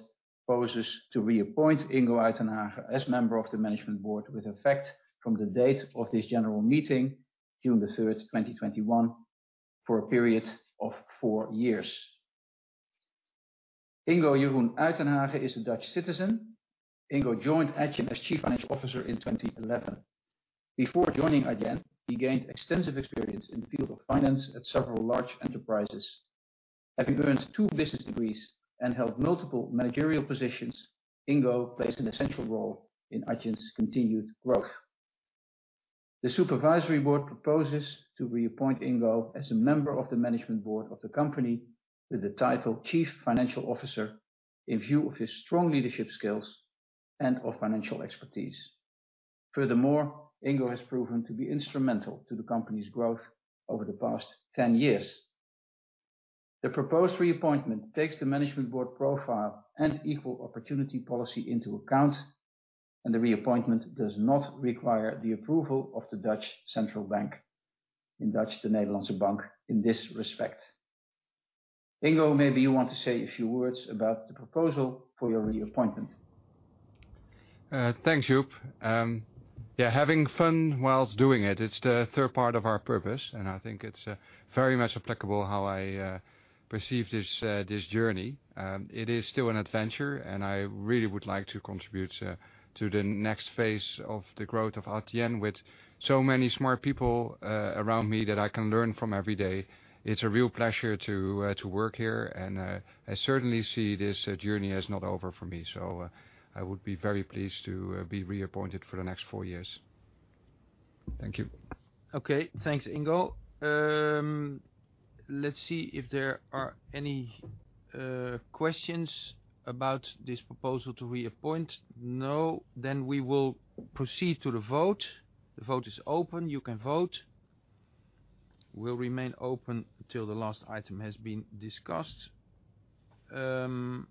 proposes to reappoint Ingo Uytdehaage as member of the Management Board with effect from the date of this general meeting, June the 3rd, 2021, for a period of four years. Ingo Uytdehaage is a Dutch citizen. Ingo joined Adyen as chief financial officer in 2011. Before joining Adyen, he gained extensive experience in the field of finance at several large enterprises. Having earned two business degrees and held multiple managerial positions, Ingo plays an essential role in Adyen's continued growth. The Supervisory Board proposes to reappoint Ingo as a member of the Management Board of the company with the title Chief Financial Officer in view of his strong leadership skills and of financial expertise. Furthermore, Ingo has proven to be instrumental to the company's growth over the past 10 years. The proposed reappointment takes the Management Board profile and equal opportunity policy into account, and the reappointment does not require the approval of De Nederlandsche Bank. Ingo, maybe you want to say a few words about the proposal for your reappointment. Thanks, Joep van Beurden Having fun while doing it. It's the third part of our purpose, and I think it's very much applicable how I perceive this journey. It is still an adventure, and I really would like to contribute to the next phase of the growth of Adyen with so many smart people around me that I can learn from every day. It's a real pleasure to work here, and I certainly see this journey as not over for me. I would be very pleased to be reappointed for the next four years. Thank you. Okay. Thanks, Ingo. Let's see if there are any questions about this proposal to reappoint. No, we will proceed to the vote. The vote is open. You can vote. The vote will remain open till the last item has been discussed. For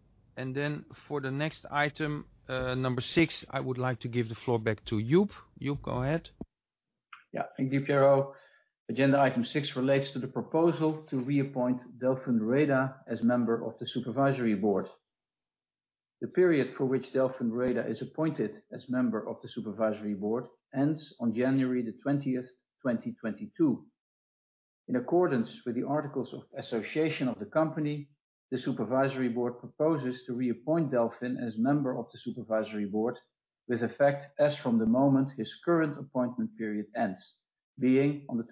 the next Item, Number 6, I would like to give the floor back to Joep van Beurden. Joep van Beurden, go ahead. Thank you, Piero. Agenda item six relates to the proposal to reappoint Delfin Rueda as member of the supervisory board. The period for which Delfin Rueda is appointed as member of the supervisory board ends on January 20th, 2022. In accordance with the articles of association of the company, the supervisory board proposes to reappoint Delfin as member of the supervisory board with effect as from the moment his current appointment period ends, being on the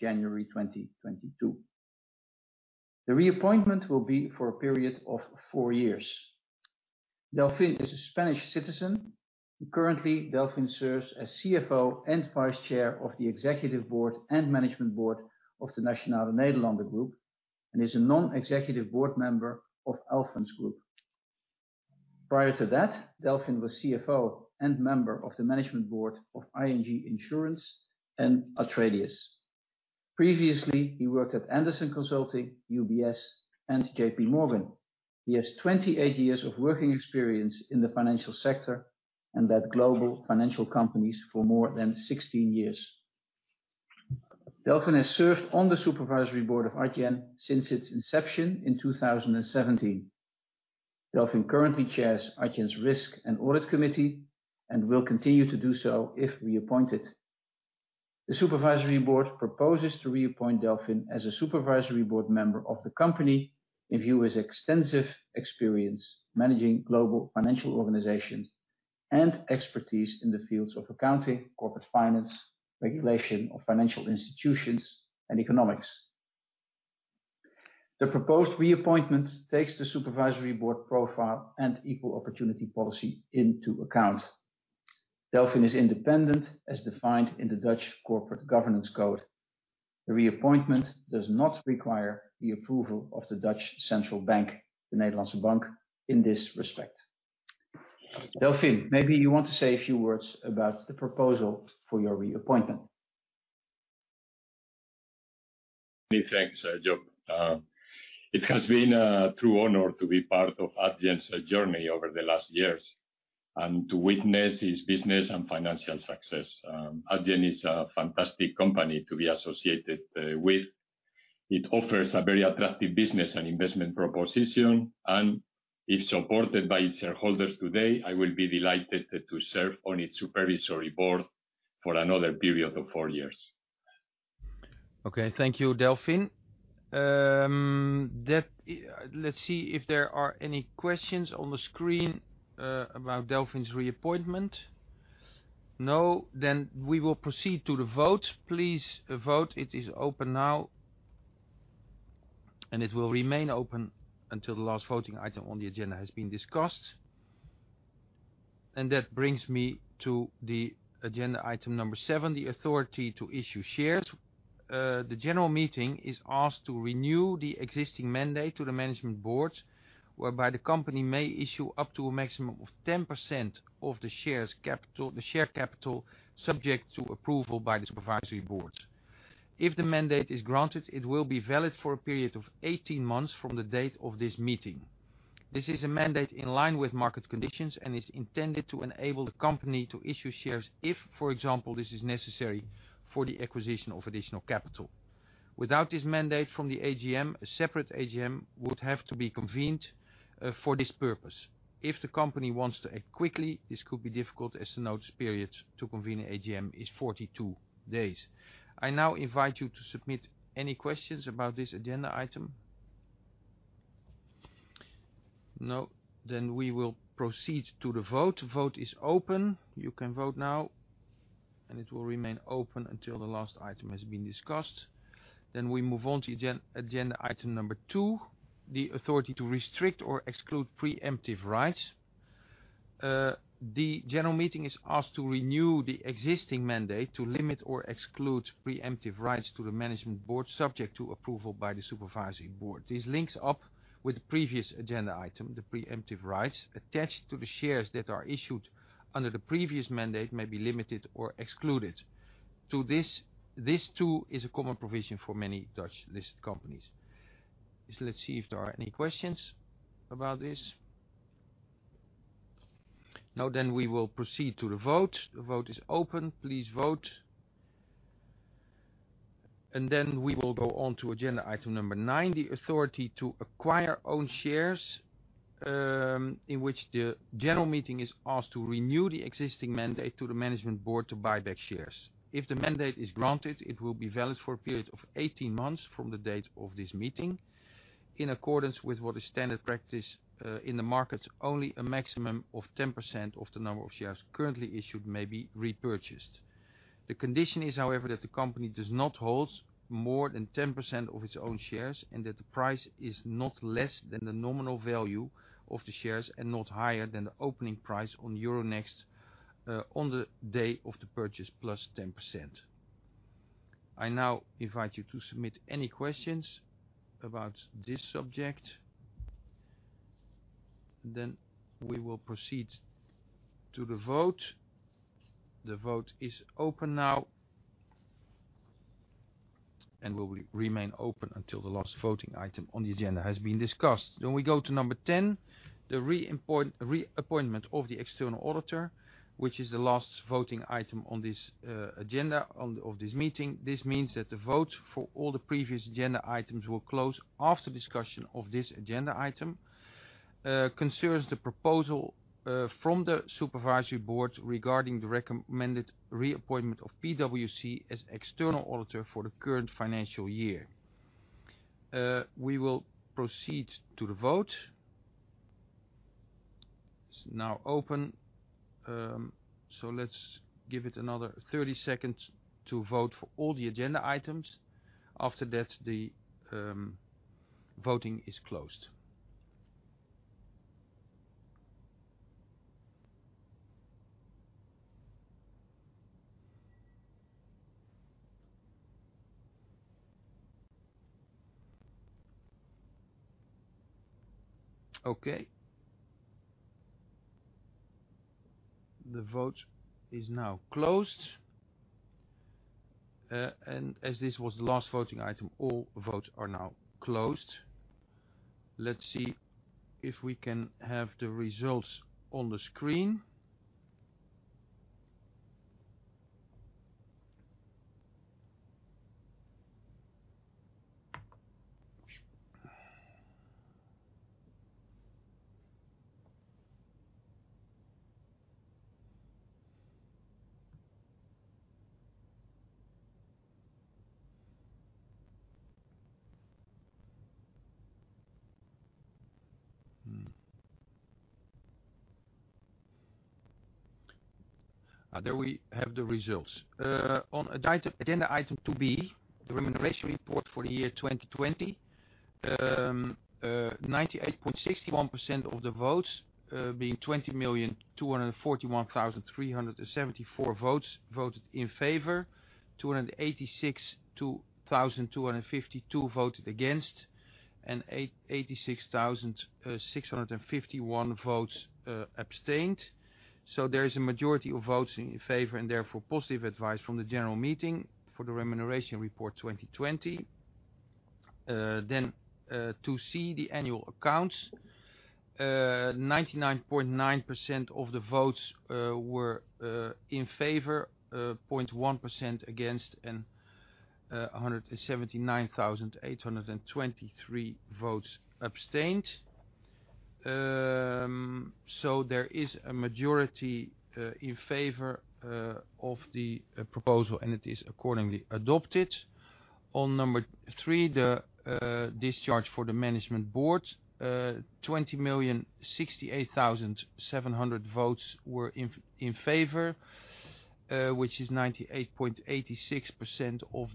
January 20th, 2022. The reappointment will be for a period of four years. Delfin is a Spanish citizen, and currently, Delfin serves as Chief Financial Officer and vice chair of the executive board and management board of the Nationale-Nederlanden group, and is a non-executive board member of Alfen N.V.. Prior to that, Delfin was Chief Financial and member of the management board of ING Insurance and Atradius. Previously, he worked at Andersen Consulting, UBS, and JP Morgan. He has 28 years of working experience in the financial sector and at global financial companies for more than 16 years. Delfin has served on the supervisory board of Adyen since its inception in 2017. Delfin currently chairs Adyen's risk and audit committee and will continue to do so if reappointed. The supervisory board proposes to reappoint Delfin as a supervisory board member of the company in view of his extensive experience managing global financial organizations and expertise in the fields of accounting, corporate finance, regulation of financial institutions, and economics. The proposed reappointment takes the supervisory board profile and equal opportunity policy into account. Delfin is independent as defined in the Dutch Corporate Governance Code. The reappointment does not require the approval of the De Nederlandsche Bank in this respect. Delfin, maybe you want to say a few words about the proposal for your reappointment. Many thanks, Joop. It has been a true honor to be part of Adyen's journey over the last years and to witness its business and financial success. Adyen is a fantastic company to be associated with. It offers a very attractive business and investment proposition, and if supported by its shareholders today, I will be delighted to serve on its Supervisory Board for another period of four years. Thank you, Delfin. Let's see if there are any questions on the screen about Delfin's reappointment. We will proceed to the vote. Please vote. It is open now, and it will remain open until the last voting item on the agenda has been discussed. That brings me to the agenda item number seven, the authority to issue shares. The general meeting is asked to renew the existing mandate to the management board, whereby the company may issue up to a maximum of 10% of the share capital, subject to approval by the supervisory board. If the mandate is granted, it will be valid for a period of 18 months from the date of this meeting. This is a mandate in line with market conditions and is intended to enable the company to issue shares if, for example, this is necessary for the acquisition of additional capital. Without this mandate from the AGM, a separate AGM would have to be convened, for this purpose. If the company wants to act quickly, this could be difficult as the notice period to convene an AGM is 42 days. I now invite you to submit any questions about this agenda item. No, we will proceed to the vote. The vote is open. You can vote now, and it will remain open until the last item has been discussed. We move on to agenda Item Number 2, the authority to restrict or exclude pre-emptive rights. The general meeting is asked to renew the existing mandate to limit or exclude pre-emptive rights to the management board, subject to approval by the Supervisory Board. This links up with the previous agenda item, the pre-emptive rights attached to the shares that are issued under the previous mandate may be limited or excluded. This, too, is a common provision for many Dutch-listed companies. Let's see if there are any questions about this. We will proceed to the vote. The vote is open. Please vote. We will go on to agenda item number nine, the authority to acquire own shares, in which the general meeting is asked to renew the existing mandate to the management board to buy back shares. If the mandate is granted, it will be valid for a period of 18 months from the date of this meeting. In accordance with what is standard practice in the market, only a maximum of 10% of the number of shares currently issued may be repurchased. The condition is, however, that the company does not hold more than 10% of its own shares and that the price is not less than the nominal value of the shares and not higher than the opening price on Euronext on the day of the purchase +10%. I now invite you to submit any questions about this subject, and then we will proceed to the vote. The vote is open now and will remain open until the last voting item on the agenda has been discussed. We go to number 10, the reappointment of the external auditor, which is the last voting item of this meeting. This means that the vote for all the previous agenda items will close after discussion of this agenda item, concerns the proposal from the supervisory board regarding the recommended reappointment of PwC as external auditor for the current financial year. We will proceed to the vote. It's now open, so let's give it another 30 seconds to vote for all the agenda items. After that, the voting is closed. Okay. The vote is now closed, and as this was the last voting item, all votes are now closed. Let's see if we can have the results on the screen. There we have the results. On Agenda Item 2B, the remuneration report for the year 2020, 98.61% of the votes being 20,241,374 votes voted in favor, 286,252 voted against, and 86,651 votes abstained. There is a majority of votes in favor and therefore positive advice from the general meeting for the remuneration report 2020. 2C, the annual accounts, 99.9% of the votes were in favor, 0.1% against and 179,823 votes abstained. There is a majority in favor of the proposal, and it is accordingly adopted. Item Number 3, the discharge for the Management Board, 20,068,700 votes were in favor, which is 98.86% of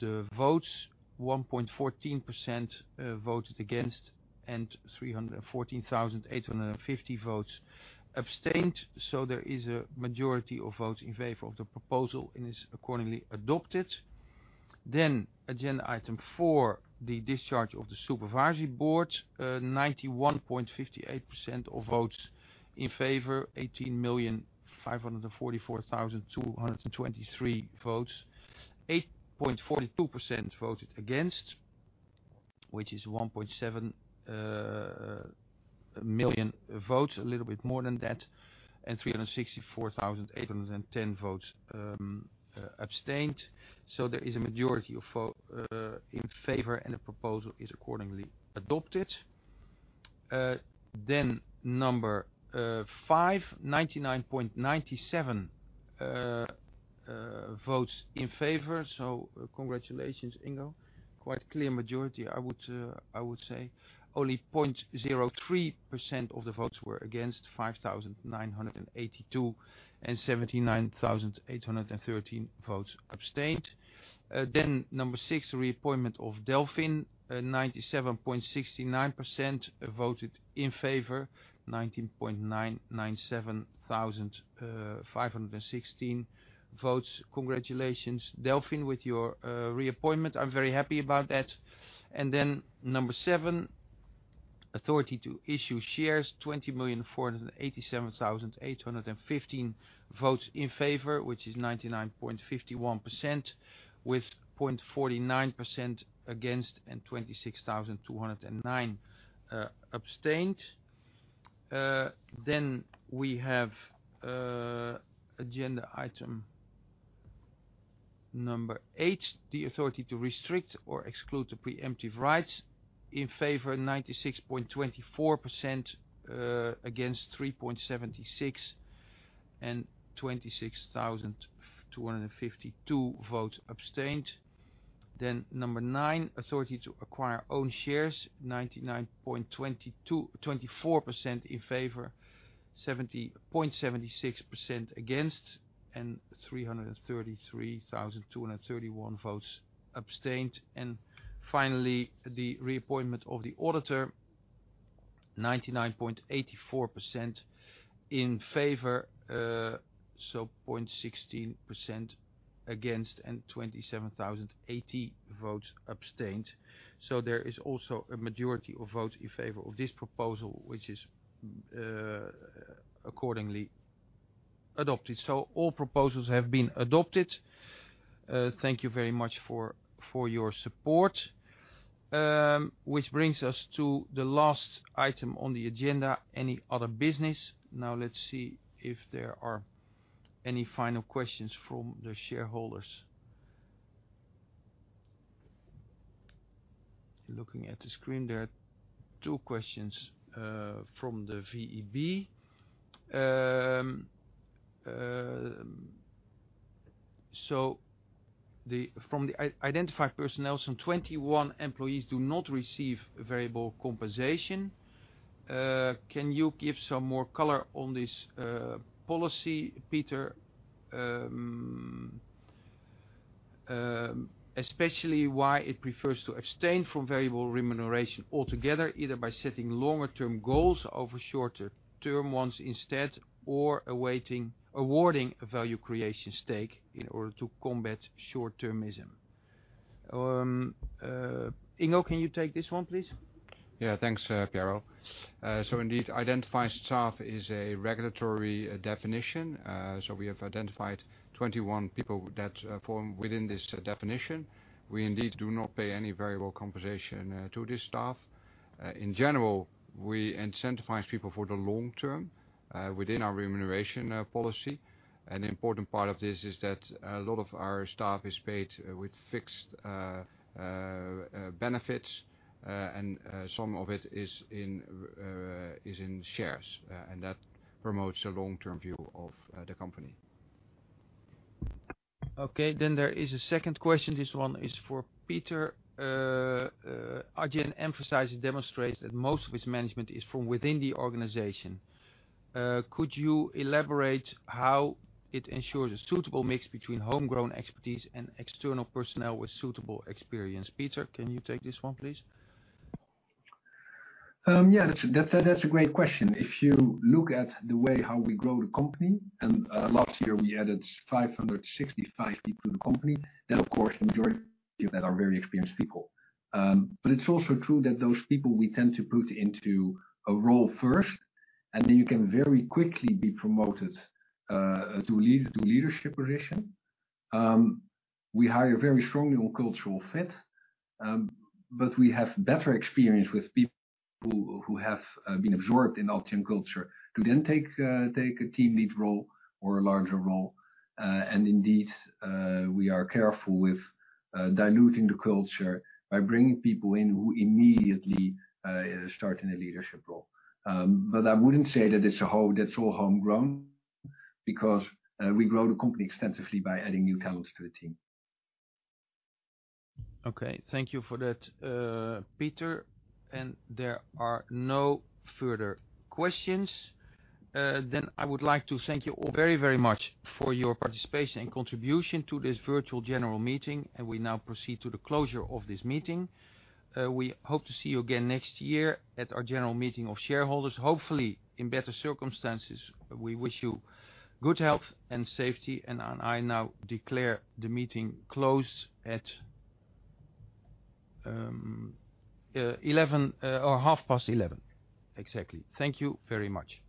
the votes, 1.14% voted against and 314,850 votes abstained. There is a majority of votes in favor of the proposal and is accordingly adopted. Agenda item 4, the discharge of the Supervisory Board, 91.58% of votes in favor, 18,544,223 votes, 8.42% voted against, which is 1.7 million votes, a little bit more than that, and 364,810 votes abstained. There is a majority in favor, and the proposal is accordingly adopted. Number 5, 99.97% votes in favor. Congratulations, Ingo. Quite clear majority, I would say. Only 0.03% of the votes were against, 5,982 and 79,813 votes abstained. Number 6, reappointment of Delfin Rueda, 97.69% voted in favor, 19,997,516 votes. Congratulations, Delfin Rueda, with your reappointment. I'm very happy about that. Number seven, authority to issue shares, 20,487,815 votes in favor, which is 99.51%, with 0.49% against and 26,209 abstained. We have agenda item number eight, the authority to restrict or exclude the preemptive rights. In favor, 96.24%, against 3.76%, and 26,252 votes abstained. Number nine, authority to acquire own shares, 99.24% in favor, 0.76% against, and 333,231 votes abstained. Finally, the reappointment of the auditor, 99.84% in favor, 0.16% against, and 27,080 votes abstained. There is also a majority of votes in favor of this proposal, which is accordingly adopted. All proposals have been adopted. Thank you very much for your support. Which brings us to the last item on the agenda, any other business. Let's see if there are any final questions from the shareholders. Looking at the screen, there are two questions from the VEB. From the identified personnel, some 21 employees do not receive variable compensation. Can you give some more color on this policy, Pieter? Especially why it prefers to abstain from variable remuneration altogether, either by setting longer-term goals over shorter-term ones instead, or awarding a value creation stake in order to combat short-termism. Ingo, can you take this one, please? Thanks, Karel. Indeed, identified staff is a regulatory definition. We have identified 21 people that form within this definition. We indeed do not pay any variable compensation to this staff. In general, we incentivize people for the long term within our remuneration policy. An important part of this is that a lot of our staff is paid with fixed benefits, and some of it is in shares, and that promotes a long-term view of the company. Okay. There is a second question. This one is for Pieter. Adyen emphasizes and demonstrates that most of its management is from within the organization. Could you elaborate how it ensures a suitable mix between homegrown expertise and external personnel with suitable experience? Pieter, can you take this one, please? Yeah, that's a great question. If you look at the way how we grow the company, last year we added 565 people to the company. Of course, majority of that are very experienced people. It's also true that those people we tend to put into a role first, then you can very quickly be promoted to leadership position. We hire very strongly on cultural fit, we have better experience with people who have been absorbed in Adyen culture to then take a team lead role or a larger role. Indeed, we are careful with diluting the culture by bringing people in who immediately start in a leadership role. I wouldn't say that's all homegrown, because we grow the company extensively by adding new talents to the team. Okay. Thank you for that, Pieter. There are no further questions. I would like to thank you all very much for your participation and contribution to this virtual General Meeting, and we now proceed to the closure of this meeting. We hope to see you again next year at our General Meeting of Shareholders, hopefully in better circumstances. We wish you good health and safety, and I now declare the meeting closed at 11:30 A.M. Exactly. Thank you very much.